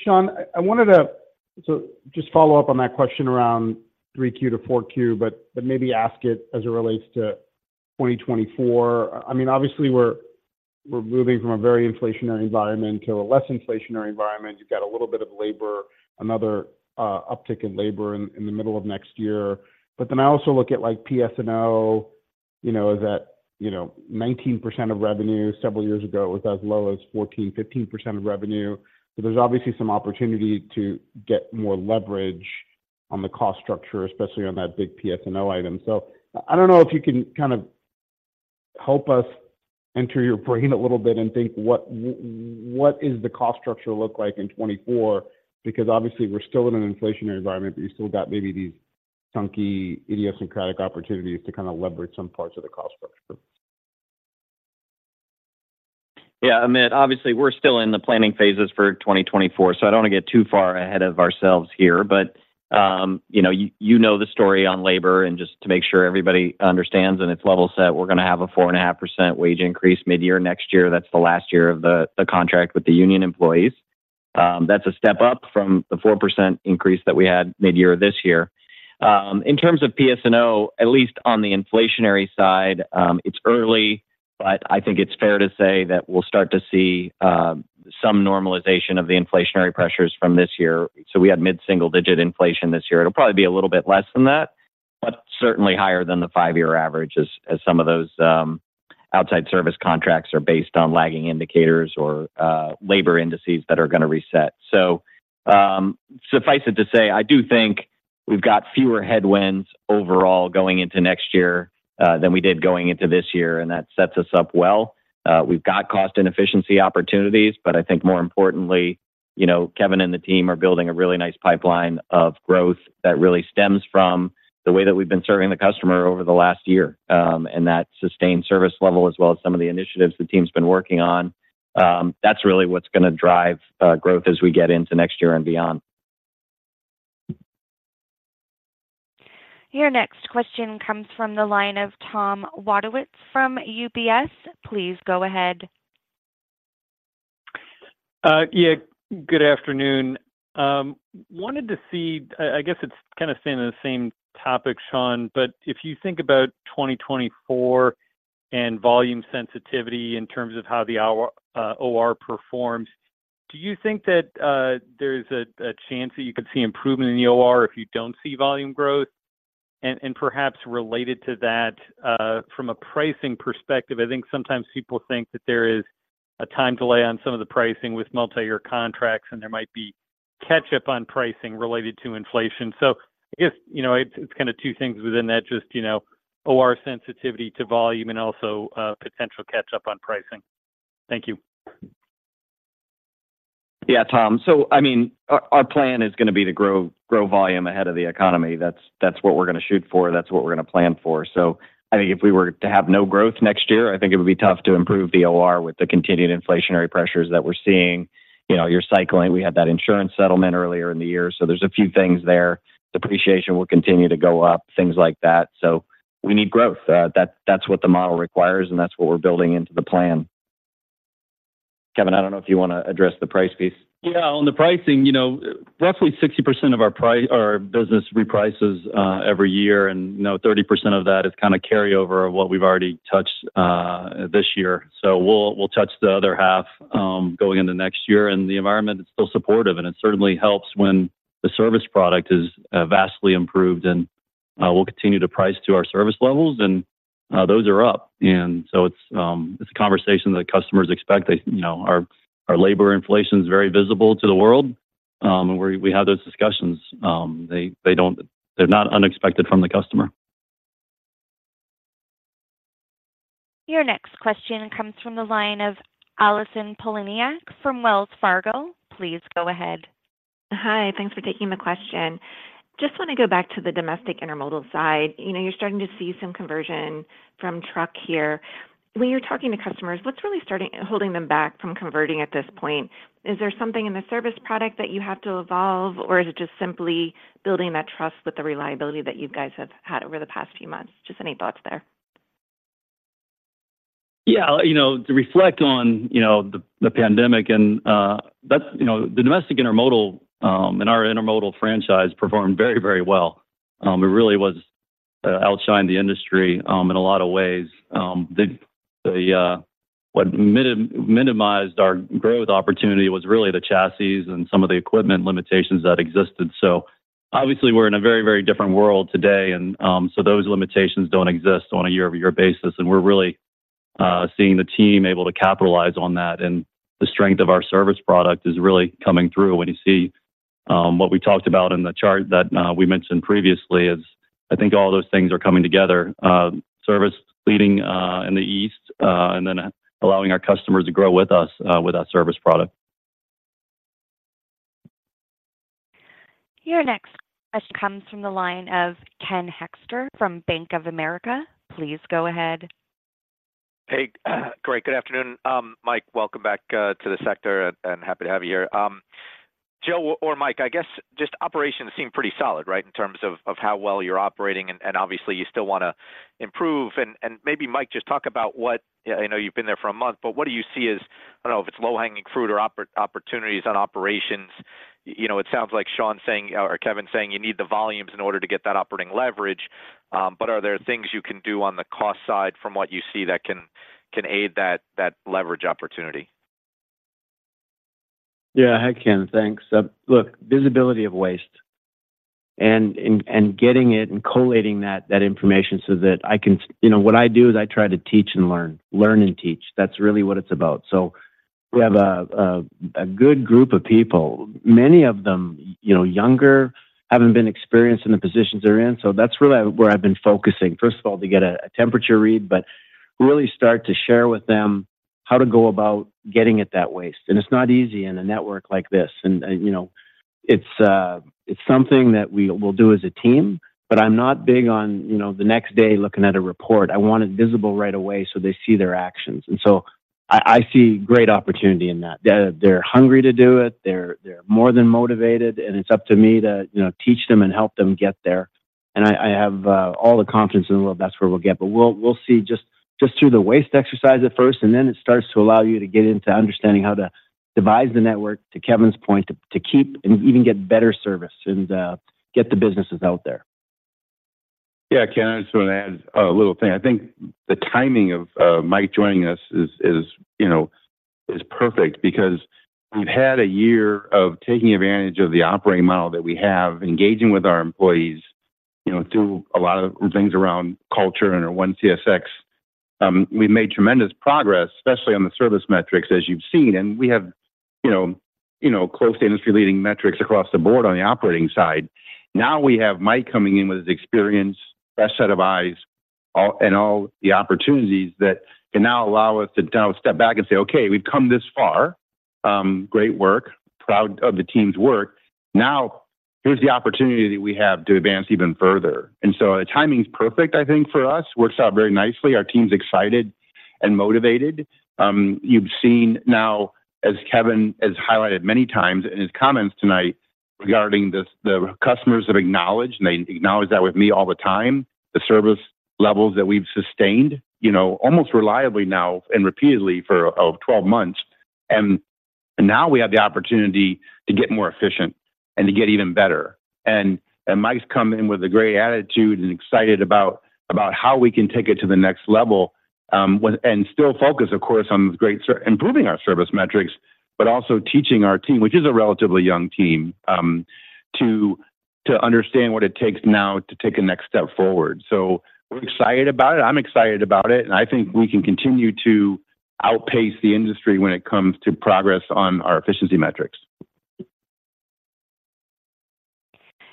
Sean, I wanted to just follow up on that question around 3Q-4Q, but maybe ask it as it relates to 2024. I mean, obviously, we're moving from a very inflationary environment to a less inflationary environment. You've got a little bit of labor, another uptick in labor in the middle of next year. Then I also look at, like, PS&O, you know, is that, you know, 19% of revenue several years ago, it was as low as 14%-15% of revenue. There's obviously some opportunity to get more leverage on the cost structure, especially on that big PS&O item. I don't know if you can kind of help us enter your brain a little bit and think what is the cost structure look like in 2024? Because obviously, we're still in an inflationary environment, but you've still got maybe these chunky, idiosyncratic opportunities to kind of leverage some parts of the cost structure. Yeah, Amit, obviously, we're still in the planning phases for 2024, so I don't want to get too far ahead of ourselves here. You know the story on labor, and just to make sure everybody understands and it's level set, we're going to have a 4.5% wage increase midyear next year. That's the last year of the contract with the union employees. That's a step up from the 4% increase that we had midyear this year. In terms of PS&O, at least on the inflationary side, it's early, but I think it's fair to say that we'll start to see some normalization of the inflationary pressures from this year. We had mid-single-digit inflation this year. It will probably be a little bit less than that. But certainly higher than the 5-year average as some of those outside service contracts are based on lagging indicators or labor indices that are going to reset. So, suffice it to say, I do think we've got fewer headwinds overall going into next year than we did going into this year, and that sets us up well. We've got cost inefficiency opportunities, but I think more importantly, Kevin and the team are building a really nice pipeline of growth that really stems from the way that we've been serving the customer over the last year and that sustained service level as well as some of the initiatives the team has been working on. That's really what's going to drive growth as we get into next year and beyond. Your next question comes from the line of Tom Wadewitz from UBS. Please go ahead. Yeah, good afternoon. Wanted to see. I guess it's kind of staying in the same topic, Sean, but if you think about 2024 and volume sensitivity in terms of how the OR performs, do you think that there's a chance that you could see improvement in the OR if you don't see volume growth? Perhaps related to that, from a pricing perspective, I think sometimes people think that there is a time delay on some of the pricing with multi-year contracts, and there might be catch-up on pricing related to inflation. I guess, you know, it's kind of two things within that, just, you know, OR sensitivity to volume and also potential catch-up on pricing. Thank you. Yeah, Tom. I mean, our plan is going to be to grow volume ahead of the economy. That's what we're going to shoot for. That's what we're going to plan for. I think if we were to have no growth next year, I think it would be tough to improve the OR with the continued inflationary pressures that we're seeing. You know, you're cycling. We had that insurance settlement earlier in the year, so there's a few things there. Depreciation will continue to go up, things like that. We need growth. That's what the model requires, and that's what we're building into the plan. Kevin, I don't know if you want to address the price piece. Yes. On the pricing, roughly 60% of our business reprices every year, and 30% of that is kind of carryover of what we've already touched this year. So we'll touch the other half going into next year. And the environment is still supportive. And it certainly helps when the service product is vastly improved, and we'll continue to price to our service levels and those are up. And so it's a conversation that customers expect. Our labor inflation is very visible to the world, and we have those discussions. They don't, they're not unexpected from the customer. Your next question comes from the line of Allison Poliniak from Wells Fargo. Please go ahead. Hi, thanks for taking the question. Just want to go back to the domestic intermodal side. You know, you're starting to see some conversion from truck here. When you're talking to customers, what's really holding them back from converting at this point? Is there something in the service product that you have to evolve, or is it just simply building that trust with the reliability that you guys have had over the past few months? Just any thoughts there. Yeah, you know, to reflect on, you know, the pandemic, and that's, you know, the domestic intermodal and our intermodal franchise performed very, very well. It really was outshined the industry in a lot of ways. What minimized our growth opportunity was really the chassis and some of the equipment limitations that existed. Obviously, we're in a very, very different world today, and so those limitations don't exist on a year-over-year basis, and we're really seeing the team able to capitalize on that. The strength of our service product is really coming through when you see what we talked about in the chart that we mentioned previously is, I think all those things are coming together. Service leading in the East, and then allowing our customers to grow with us with our service product. Your next question comes from the line of Ken Hoexter from Bank of America. Please go ahead. Hey, great. Good afternoon. Mike, welcome back to the sector and happy to have you here. Joe or Mike, I guess just operations seem pretty solid, right? In terms of how well you're operating and obviously you still wanna improve. Maybe Mike, just talk about what, I know you've been there for a month, but what do you see as, I don't know if it's low-hanging fruit or opportunities on operations? You know, it sounds like Sean saying or Kevin saying you need the volumes in order to get that operating leverage, but are there things you can do on the cost side from what you see that can aid that leverage opportunity? Yeah, hi, Ken. Thanks. Look, visibility of waste and getting it and collating that information so that I can, you know, what I do is I try to teach and learn. Learn and teach, that's really what it's about. We have a good group of people, many of them, you know, younger, haven't been experienced in the positions they're in. That's really where I've been focusing. First of all, to get a temperature read, but really start to share with them how to go about getting it that way. It's not easy in a network like this, and, you know, it's something that we'll do as a team, but I'm not big on, you know, the next day looking at a report. I want it visible right away, so they see their actions. I see great opportunity in that. They're hungry to do it, they're more than motivated, and it's up to me to, you know, teach them and help them get there. I have all the confidence in the world that's where we'll get. We'll see just through the waste exercise at first, and then it starts to allow you to get into understanding how to devise the network, to Kevin's point, to keep and even get better service and get the businesses out there. Yeah, Ken, I just want to add a little thing. I think the timing of Mike joining us is, you know, perfect because we've had a year of taking advantage of the operating model that we have, engaging with our employees, you know, through a lot of things around culture and our ONE CSX. We've made tremendous progress, especially on the service metrics, as you've seen, and we have, you know, close industry-leading metrics across the board on the operating side. Now, we have Mike coming in with his experience, fresh set of eyes, and all the opportunities that can now allow us to now step back and say, "Okay, we've come this far. Great work. Proud of the team's work. Now, here's the opportunity that we have to advance even further." The timing is perfect, I think, for us. Works out very nicely. Our team's excited and motivated. You've seen now, as Kevin has highlighted many times in his comments tonight, regarding the customers have acknowledged, and they acknowledge that with me all the time, the service levels that we've sustained, you know, almost reliably now and repeatedly for 12 months. Now we have the opportunity to get more efficient and to get even better. Mike's come in with a great attitude and excited about how we can take it to the next level and still focus, of course, on improving our service metrics, but also teaching our team, which is a relatively young team, to understand what it takes now to take a next step forward. We're excited about it. I'm excited about it, and I think we can continue to outpace the industry when it comes to progress on our efficiency metrics.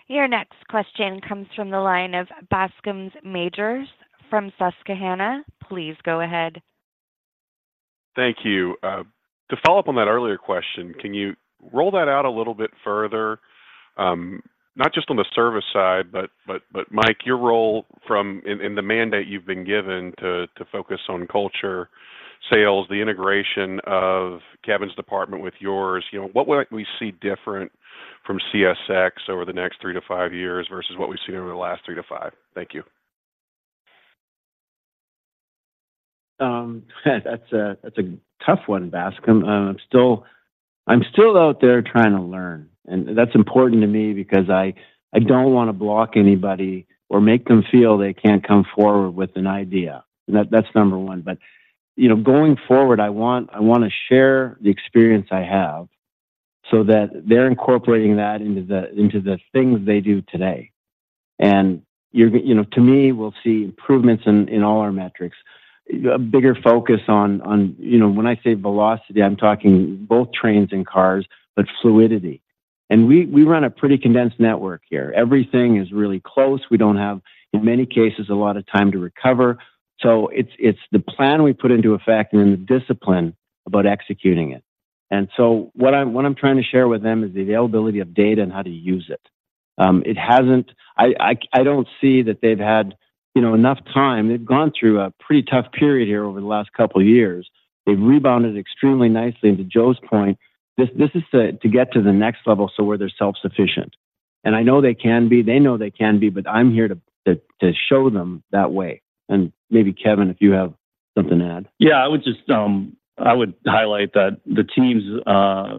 Your next question comes from the line of Bascome Majors from Susquehanna. Please go ahead. Thank you. To follow up on that earlier question, can you roll that out a little bit further? Not just on the service side, but Mike, your role and the mandate you've been given to focus on culture, sales, the integration of Kevin's department with yours, you know, what would we see different from CSX over the next 3-5 years versus what we've seen over the last 3-5? Thank you. That's a tough one, Bascome. I'm still out there trying to learn, and that's important to me because I don't wanna block anybody or make them feel they can't come forward with an idea. That's number one. You know, going forward, I wanna share the experience I have so that they're incorporating that into the things they do today. You know, to me, we'll see improvements in all our metrics. A bigger focus on, you know, when I say velocity, I'm talking both trains and cars, but fluidity. We run a pretty condensed network here. Everything is really close. We don't have, in many cases, a lot of time to recover. It's the plan we put into effect and then the discipline about executing it. What I'm trying to share with them is the availability of data and how to use it. I don't see that they've had, you know, enough time. They've gone through a pretty tough period here over the last couple of years. They've rebounded extremely nicely. To Joe's point, this is to get to the next level, so where they're self-sufficient. I know they can be, they know they can be, but I'm here to show them that way. Maybe, Kevin, if you have something to add? Yeah, I would just highlight that the teams,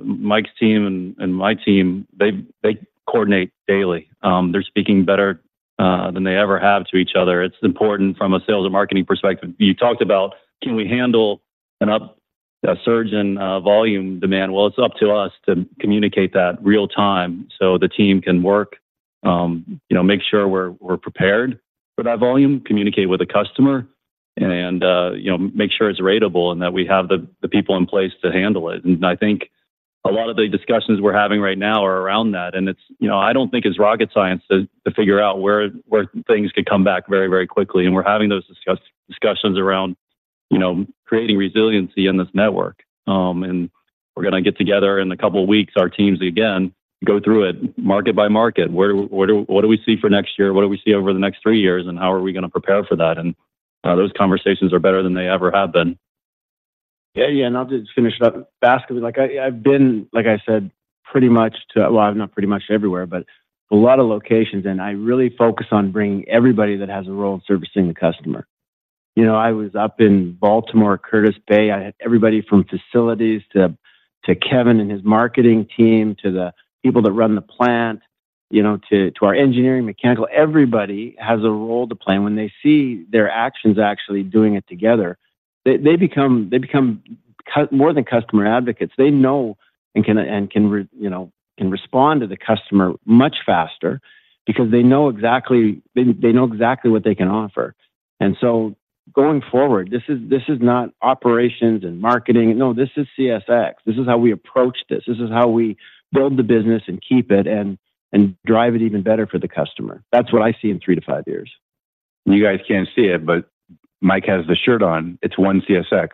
Mike's team and my team, they coordinate daily. They're speaking better than they ever have to each other. It's important from a sales and marketing perspective. You talked about, can we handle a surge in volume demand? Well, it's up to us to communicate that real time so the team can work, you know, make sure we're prepared for that volume, communicate with the customer, and, you know, make sure it's ratable and that we have the people in place to handle it. I think a lot of the discussions we're having right now are around that, and you know, I don't think it's rocket science to figure out where things could come back very, very quickly. We're having those discussions around, you know, creating resiliency in this network. We're gonna get together in a couple of weeks, our teams again, go through it market by market. What do we see for next year? What do we see over the next three years, and how are we gonna prepare for that? Those conversations are better than they ever have been. Yeah, yeah, I'll just finish it up Bascome because, like, I've been, like I said, pretty much, well, not pretty much everywhere, but a lot of locations, and I really focus on bringing everybody that has a role in servicing the customer. You know, I was up in Baltimore, Curtis Bay. I had everybody from facilities to Kevin and his marketing team, to the people that run the plant, you know, to our engineering, mechanical. Everybody has a role to play, and when they see their actions actually doing it together, they become more than customer advocates. They know and can, you know, respond to the customer much faster because they know exactly what they can offer. Going forward, this is not operations and marketing. No, this is CSX. This is how we approach this. This is how we build the business and keep it and drive it even better for the customer. That's what I see in three to five years. You guys can't see it, but Mike has the shirt on. It's ONE CSX.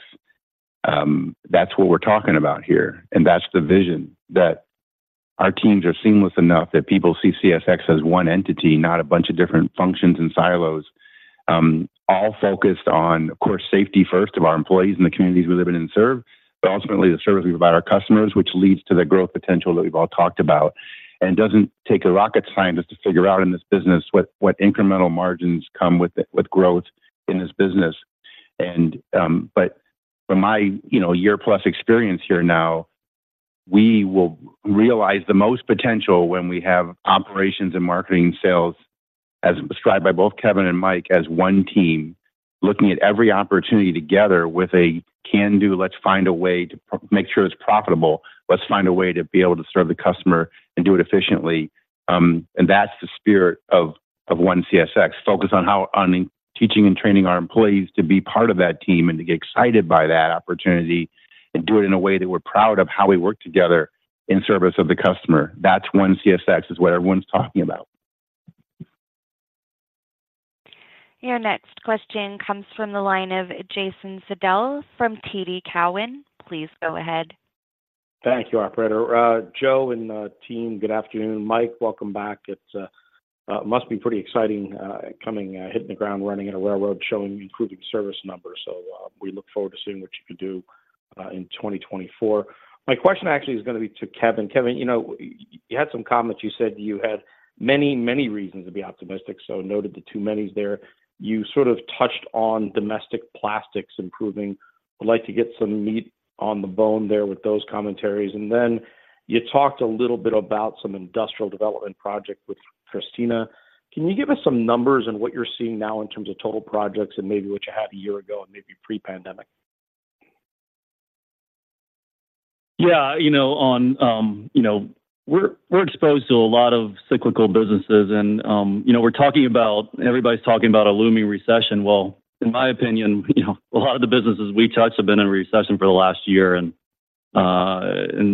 That's what we're talking about here, and that's the vision, that our teams are seamless enough that people see CSX as one entity, not a bunch of different functions and silos. All focused on, of course, safety first of our employees and the communities we live in and serve, but ultimately, the service we provide our customers, which leads to the growth potential that we've all talked about. It doesn't take a rocket scientist to figure out in this business what incremental margins come with growth in this business. From my, you know, year-plus experience here now, we will realize the most potential when we have operations and marketing sales, as described by both Kevin and Mike, as one team, looking at every opportunity together with a can-do, let's find a way to make sure it's profitable. Let's find a way to be able to serve the customer and do it efficiently. That's the spirit of ONE CSX, focused on teaching and training our employees to be part of that team, and to get excited by that opportunity, and do it in a way that we're proud of how we work together in service of the customer. That's ONE CSX, is what everyone's talking about. Your next question comes from the line of Jason Seidel from TD Cowen. Please go ahead. Thank you, operator. Joe and the team, good afternoon. Mike, welcome back. It must be pretty exciting coming, hitting the ground running in a railroad, showing improving service numbers. We look forward to seeing what you can do in 2024. My question actually is gonna be to Kevin. Kevin, you know, you had some comments. You said you had many, many reasons to be optimistic, so noted the two manys there. You sort of touched on domestic plastics improving. I'd like to get some meat on the bone there with those commentaries. Then you talked a little bit about some industrial development project with Christina. Can you give us some numbers on what you're seeing now in terms of total projects and maybe what you had a year ago and maybe pre-pandemic? Yeah, you know, we're exposed to a lot of cyclical businesses and, you know, we're talking about, everybody's talking about a looming recession. Well, in my opinion, you know, a lot of the businesses we touched have been in recession for the last year, and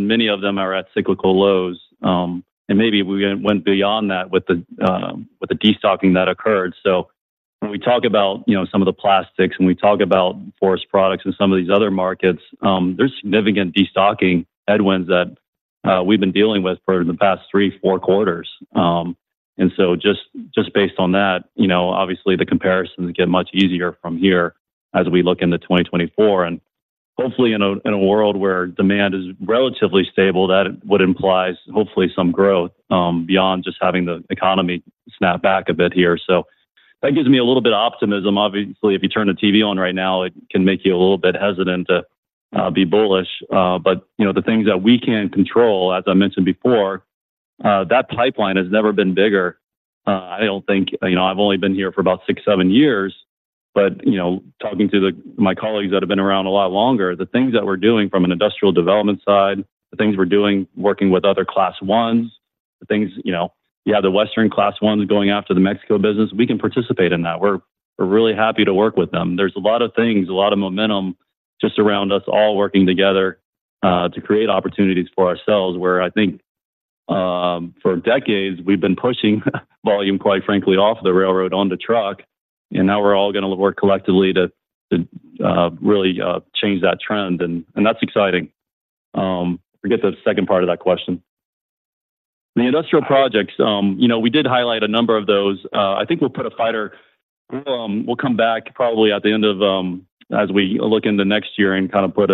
many of them are at cyclical lows. Maybe we went beyond that with the destocking that occurred. When we talk about, you know, some of the plastics, when we talk about forest products and some of these other markets, there's significant destocking headwinds that we've been dealing with for the past three-four quarters. Just based on that, you know, obviously, the comparisons get much easier from here as we look into 2024. Hopefully in a world where demand is relatively stable, that would implies, hopefully, some growth beyond just having the economy snap back a bit here. That gives me a little bit of optimism. Obviously, if you turn the TV on right now, it can make you a little bit hesitant to be bullish. But, you know, the things that we can control, as I mentioned before, that pipeline has never been bigger. I don't think... You know, I've only been here for about 6-7 years, but, you know, talking to my colleagues that have been around a lot longer, the things that we're doing from an industrial development side, the things we're doing, working with other Class Is, the things, you know. You have the Western Class Is going after the Mexico business. We can participate in that. We're really happy to work with them. There's a lot of things, a lot of momentum just around us all working together to create opportunities for ourselves, where I think for decades, we've been pushing volume, quite frankly, off the railroad onto truck, and now we're all gonna work collectively to really change that trend, and that's exciting. I forget the second part of that question. The industrial projects, you know, we did highlight a number of those. We'll come back probably at the end of, as we look into next year and kind of put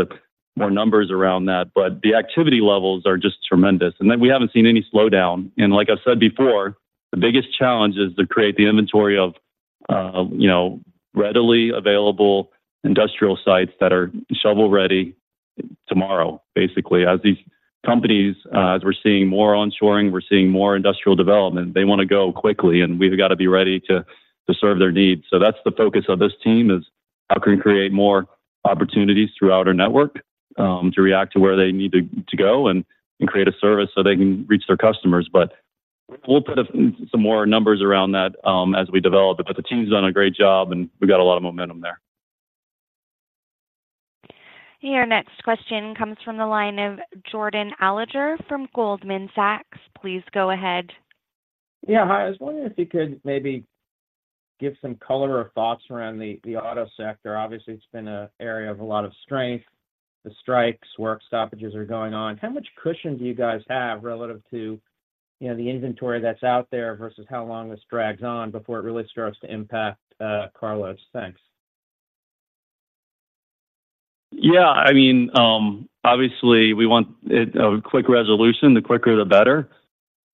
more numbers around that, but the activity levels are just tremendous, and we haven't seen any slowdown. Like I said before... The biggest challenge is to create the inventory of, you know, readily available industrial sites that are shovel-ready tomorrow, basically. As these companies, as we're seeing more onshoring, we're seeing more industrial development, they want to go quickly, and we've got to be ready to serve their needs. That's the focus of this team, is how can we create more opportunities throughout our network to react to where they need to go and create a service so they can reach their customers. We'll put up some more numbers around that as we develop it. The team's done a great job, and we've got a lot of momentum there. Your next question comes from the line of Jordan Alliger from Goldman Sachs. Please go ahead. Yeah, hi. I was wondering if you could maybe give some color or thoughts around the auto sector. Obviously, it's been an area of a lot of strength. The strikes, work stoppages are going on. How much cushion do you guys have relative to, you know, the inventory that's out there versus how long this drags on before it really starts to impact carloads? Thanks. Yeah, I mean, obviously, we want it a quick resolution. The quicker, the better.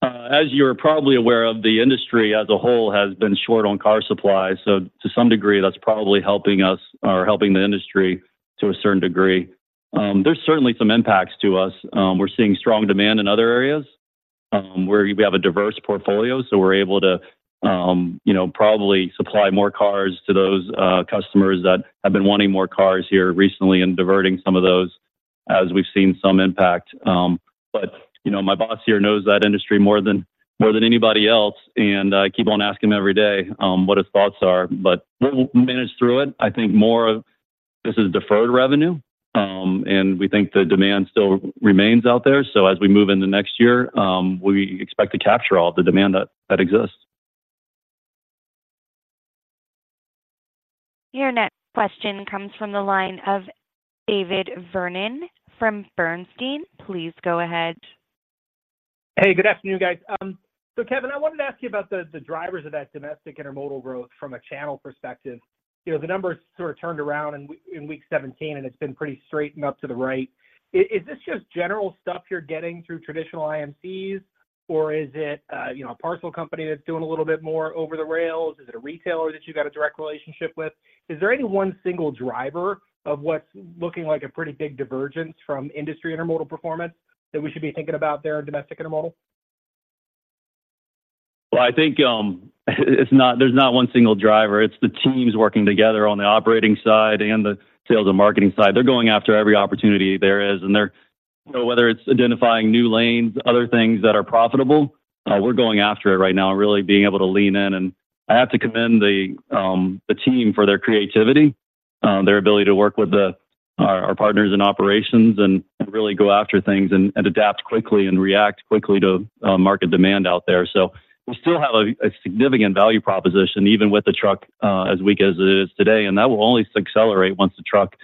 As you're probably aware of, the industry as a whole has been short on car supply, so to some degree, that's probably helping us or helping the industry to a certain degree. There's certainly some impacts to us. We're seeing strong demand in other areas where we have a diverse portfolio, so we're able to, you know, probably supply more cars to those customers that have been wanting more cars here recently and diverting some of those as we've seen some impact. You know, my boss here knows that industry more than anybody else, and I keep on asking him every day what his thoughts are, but we'll manage through it. I think more of this is deferred revenue, and we think the demand still remains out there. As we move in the next year, we expect to capture all the demand that exists. Your next question comes from the line of David Vernon from Bernstein. Please go ahead. Hey, good afternoon, guys. Kevin, I wanted to ask you about the drivers of that domestic intermodal growth from a channel perspective. You know, the numbers sort of turned around in week 17, and it's been pretty straight and up to the right. Is this just general stuff you're getting through traditional IMCs, or is it, you know, a parcel company that's doing a little bit more over the rails? Is it a retailer that you've got a direct relationship with? Is there any one single driver of what's looking like a pretty big divergence from industry intermodal performance that we should be thinking about there in domestic intermodal? Well, I think there's not one single driver. It's the teams working together on the operating side and the sales and marketing side. They're going after every opportunity there is. Whether it's identifying new lanes, other things that are profitable, we're going after it right now and really being able to lean in. I have to commend the team for their creativity, their ability to work with our partners in operations, and really go after things and adapt quickly and react quickly to market demand out there. We still have a significant value proposition, even with the truck as weak as it is today, and that will only accelerate once the truck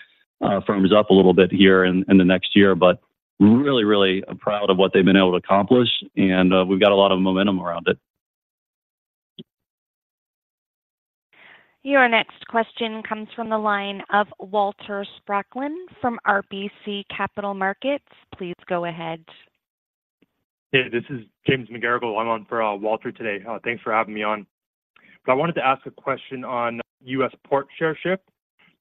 firms up a little bit here in the next year. Really, really proud of what they've been able to accomplish, and we've got a lot of momentum around it. Your next question comes from the line of Walter Spracklin from RBC Capital Markets. Please go ahead. Hey, this is James McGarragle. I'm on for Walter today. Thanks for having me on. I wanted to ask a question on U.S. port share shift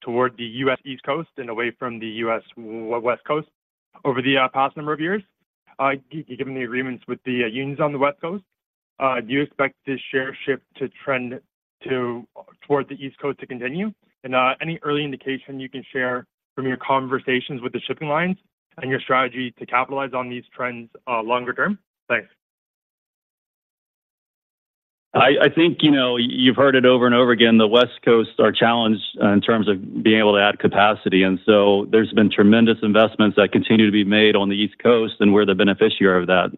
toward the U.S. East Coast and away from the U.S. West Coast over the past number of years. Given the agreements with the unions on the West Coast, do you expect this share shift to trend towards the East Coast to continue? Any early indication you can share from your conversations with the shipping lines and your strategy to capitalize on these trends longer term? Thanks. I think, you know, you've heard it over and over again. The West Coast are challenged in terms of being able to add capacity, and so there's been tremendous investments that continue to be made on the East Coast, and we're the beneficiary of that.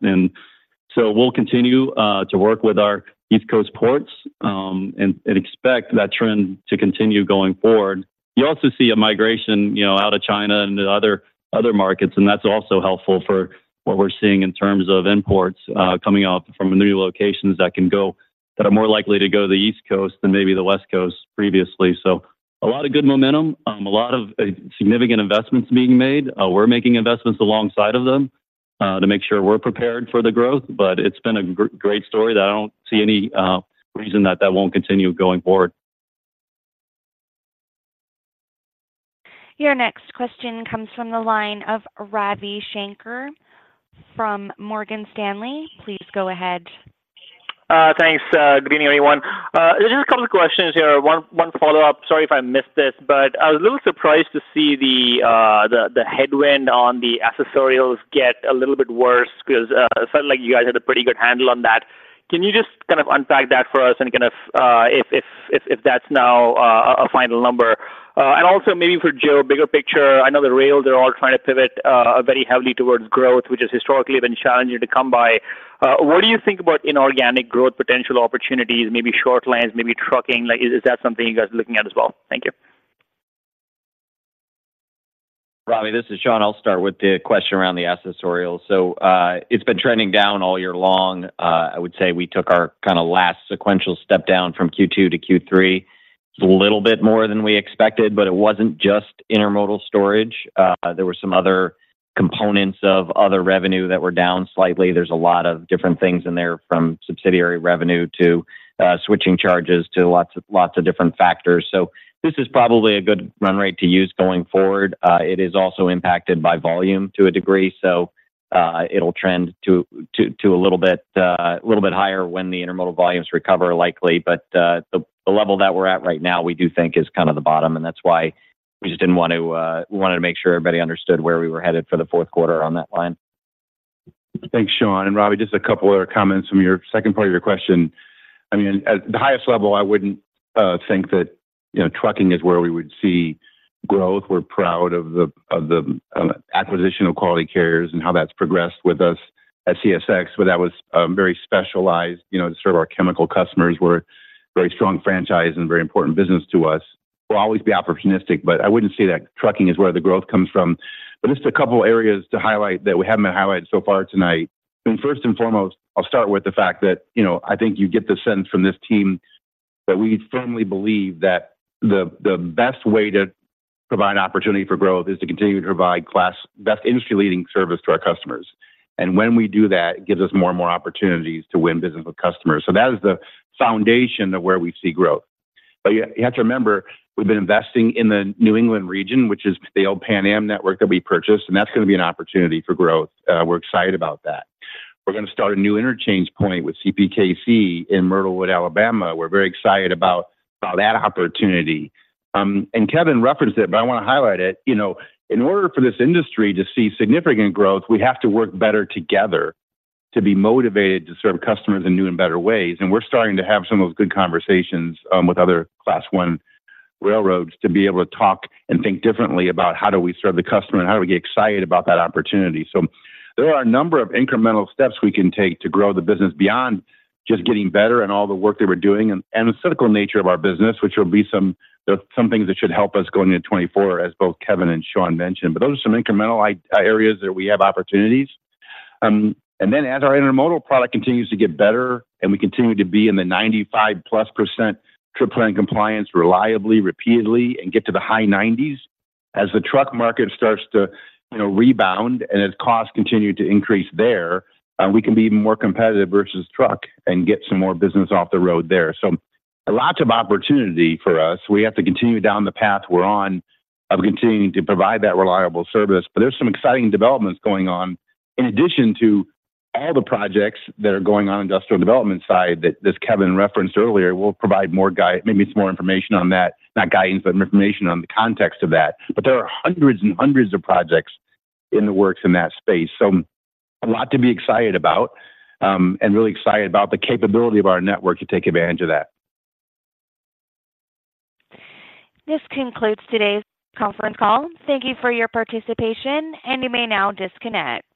We'll continue to work with our East Coast ports and expect that trend to continue going forward. You also see a migration, you know, out of China and other markets, and that's also helpful for what we're seeing in terms of imports coming out from the new locations that are more likely to go to the East Coast than maybe the West Coast previously. A lot of good momentum, a lot of significant investments being made. We're making investments alongside of them to make sure we're prepared for the growth, but it's been a great story that I don't see any reason that that won't continue going forward. Your next question comes from the line of Ravi Shanker from Morgan Stanley. Please go ahead. Thanks. Good evening, everyone. Just a couple of questions here. One follow-up. Sorry if I missed this, but I was a little surprised to see the headwind on the accessorials get a little bit worse because it felt like you guys had a pretty good handle on that. Can you just kind of unpack that for us and kind of if that's now a final number? Also maybe for Joe, bigger picture, I know the rails are all trying to pivot very heavily towards growth, which has historically been challenging to come by. What do you think about inorganic growth potential opportunities, maybe short lines, maybe trucking? Like, is that something you guys are looking at as well? Thank you. Ravi, this is Sean. I'll start with the question around the accessorial. It's been trending down all year long. I would say we took our kinda last sequential step down from Q2 to Q3. A little bit more than we expected, but it wasn't just intermodal storage. There were some other components of other revenue that were down slightly. There's a lot of different things in there, from subsidiary revenue to switching charges, to lots of, lots of different factors. This is probably a good run rate to use going forward. It is also impacted by volume to a degree, so it'll trend to a little bit higher when the intermodal volumes recover, likely. The level that we're at right now, we do think is kind of the bottom, and that's why we wanted to make sure everybody understood where we were headed for the fourth quarter on that line. Thanks, Sean, and Ravi, just a couple of other comments from your second part of your question. I mean, at the highest level, I wouldn't think that, you know, trucking is where we would see growth. We're proud of the acquisition of Quality Carriers and how that's progressed with us at CSX, where that was very specialized, you know, to serve our chemical customers. We're very strong franchise and very important business to us. We'll always be opportunistic, but I wouldn't say that trucking is where the growth comes from. Just a couple of areas to highlight that we haven't been highlighted so far tonight. First and foremost, I'll start with the fact that, you know, I think you get the sense from this team that we firmly believe that the best way to provide opportunity for growth is to continue to provide best industry-leading service to our customers. When we do that, it gives us more and more opportunities to win business with customers. That is the foundation of where we see growth. You have to remember, we've been investing in the New England region, which is the old Pan Am network that we purchased, and that's going to be an opportunity for growth. We're excited about that. We're going to start a new interchange point with CPKC in Myrtlewood, Alabama. We're very excited about that opportunity. Kevin referenced it, but I want to highlight it. You know, in order for this industry to see significant growth, we have to work better together to be motivated to serve customers in new and better ways. We're starting to have some of those good conversations with other Class I railroads to be able to talk and think differently about how do we serve the customer and how do we get excited about that opportunity. There are a number of incremental steps we can take to grow the business beyond just getting better and all the work that we're doing and the cyclical nature of our business, which will be some things that should help us going into 2024, as both Kevin and Sean mentioned. Those are some incremental areas that we have opportunities. As our intermodal product continues to get better and we continue to be in the 95%+ trip plan compliance reliably, repeatedly, and get to the high 90s, as the truck market starts to, you know, rebound and as costs continue to increase there, we can be even more competitive versus truck and get some more business off the road there. Lots of opportunity for us. We have to continue down the path we're on of continuing to provide that reliable service, but there's some exciting developments going on in addition to all the projects that are going on industrial development side, that Kevin referenced earlier. We'll provide maybe some more information on that, not guidance, but information on the context of that. There are hundreds and hundreds of projects in the works in that space, so a lot to be excited about and really excited about the capability of our network to take advantage of that. This concludes today's conference call. Thank you for your participation, and you may now disconnect.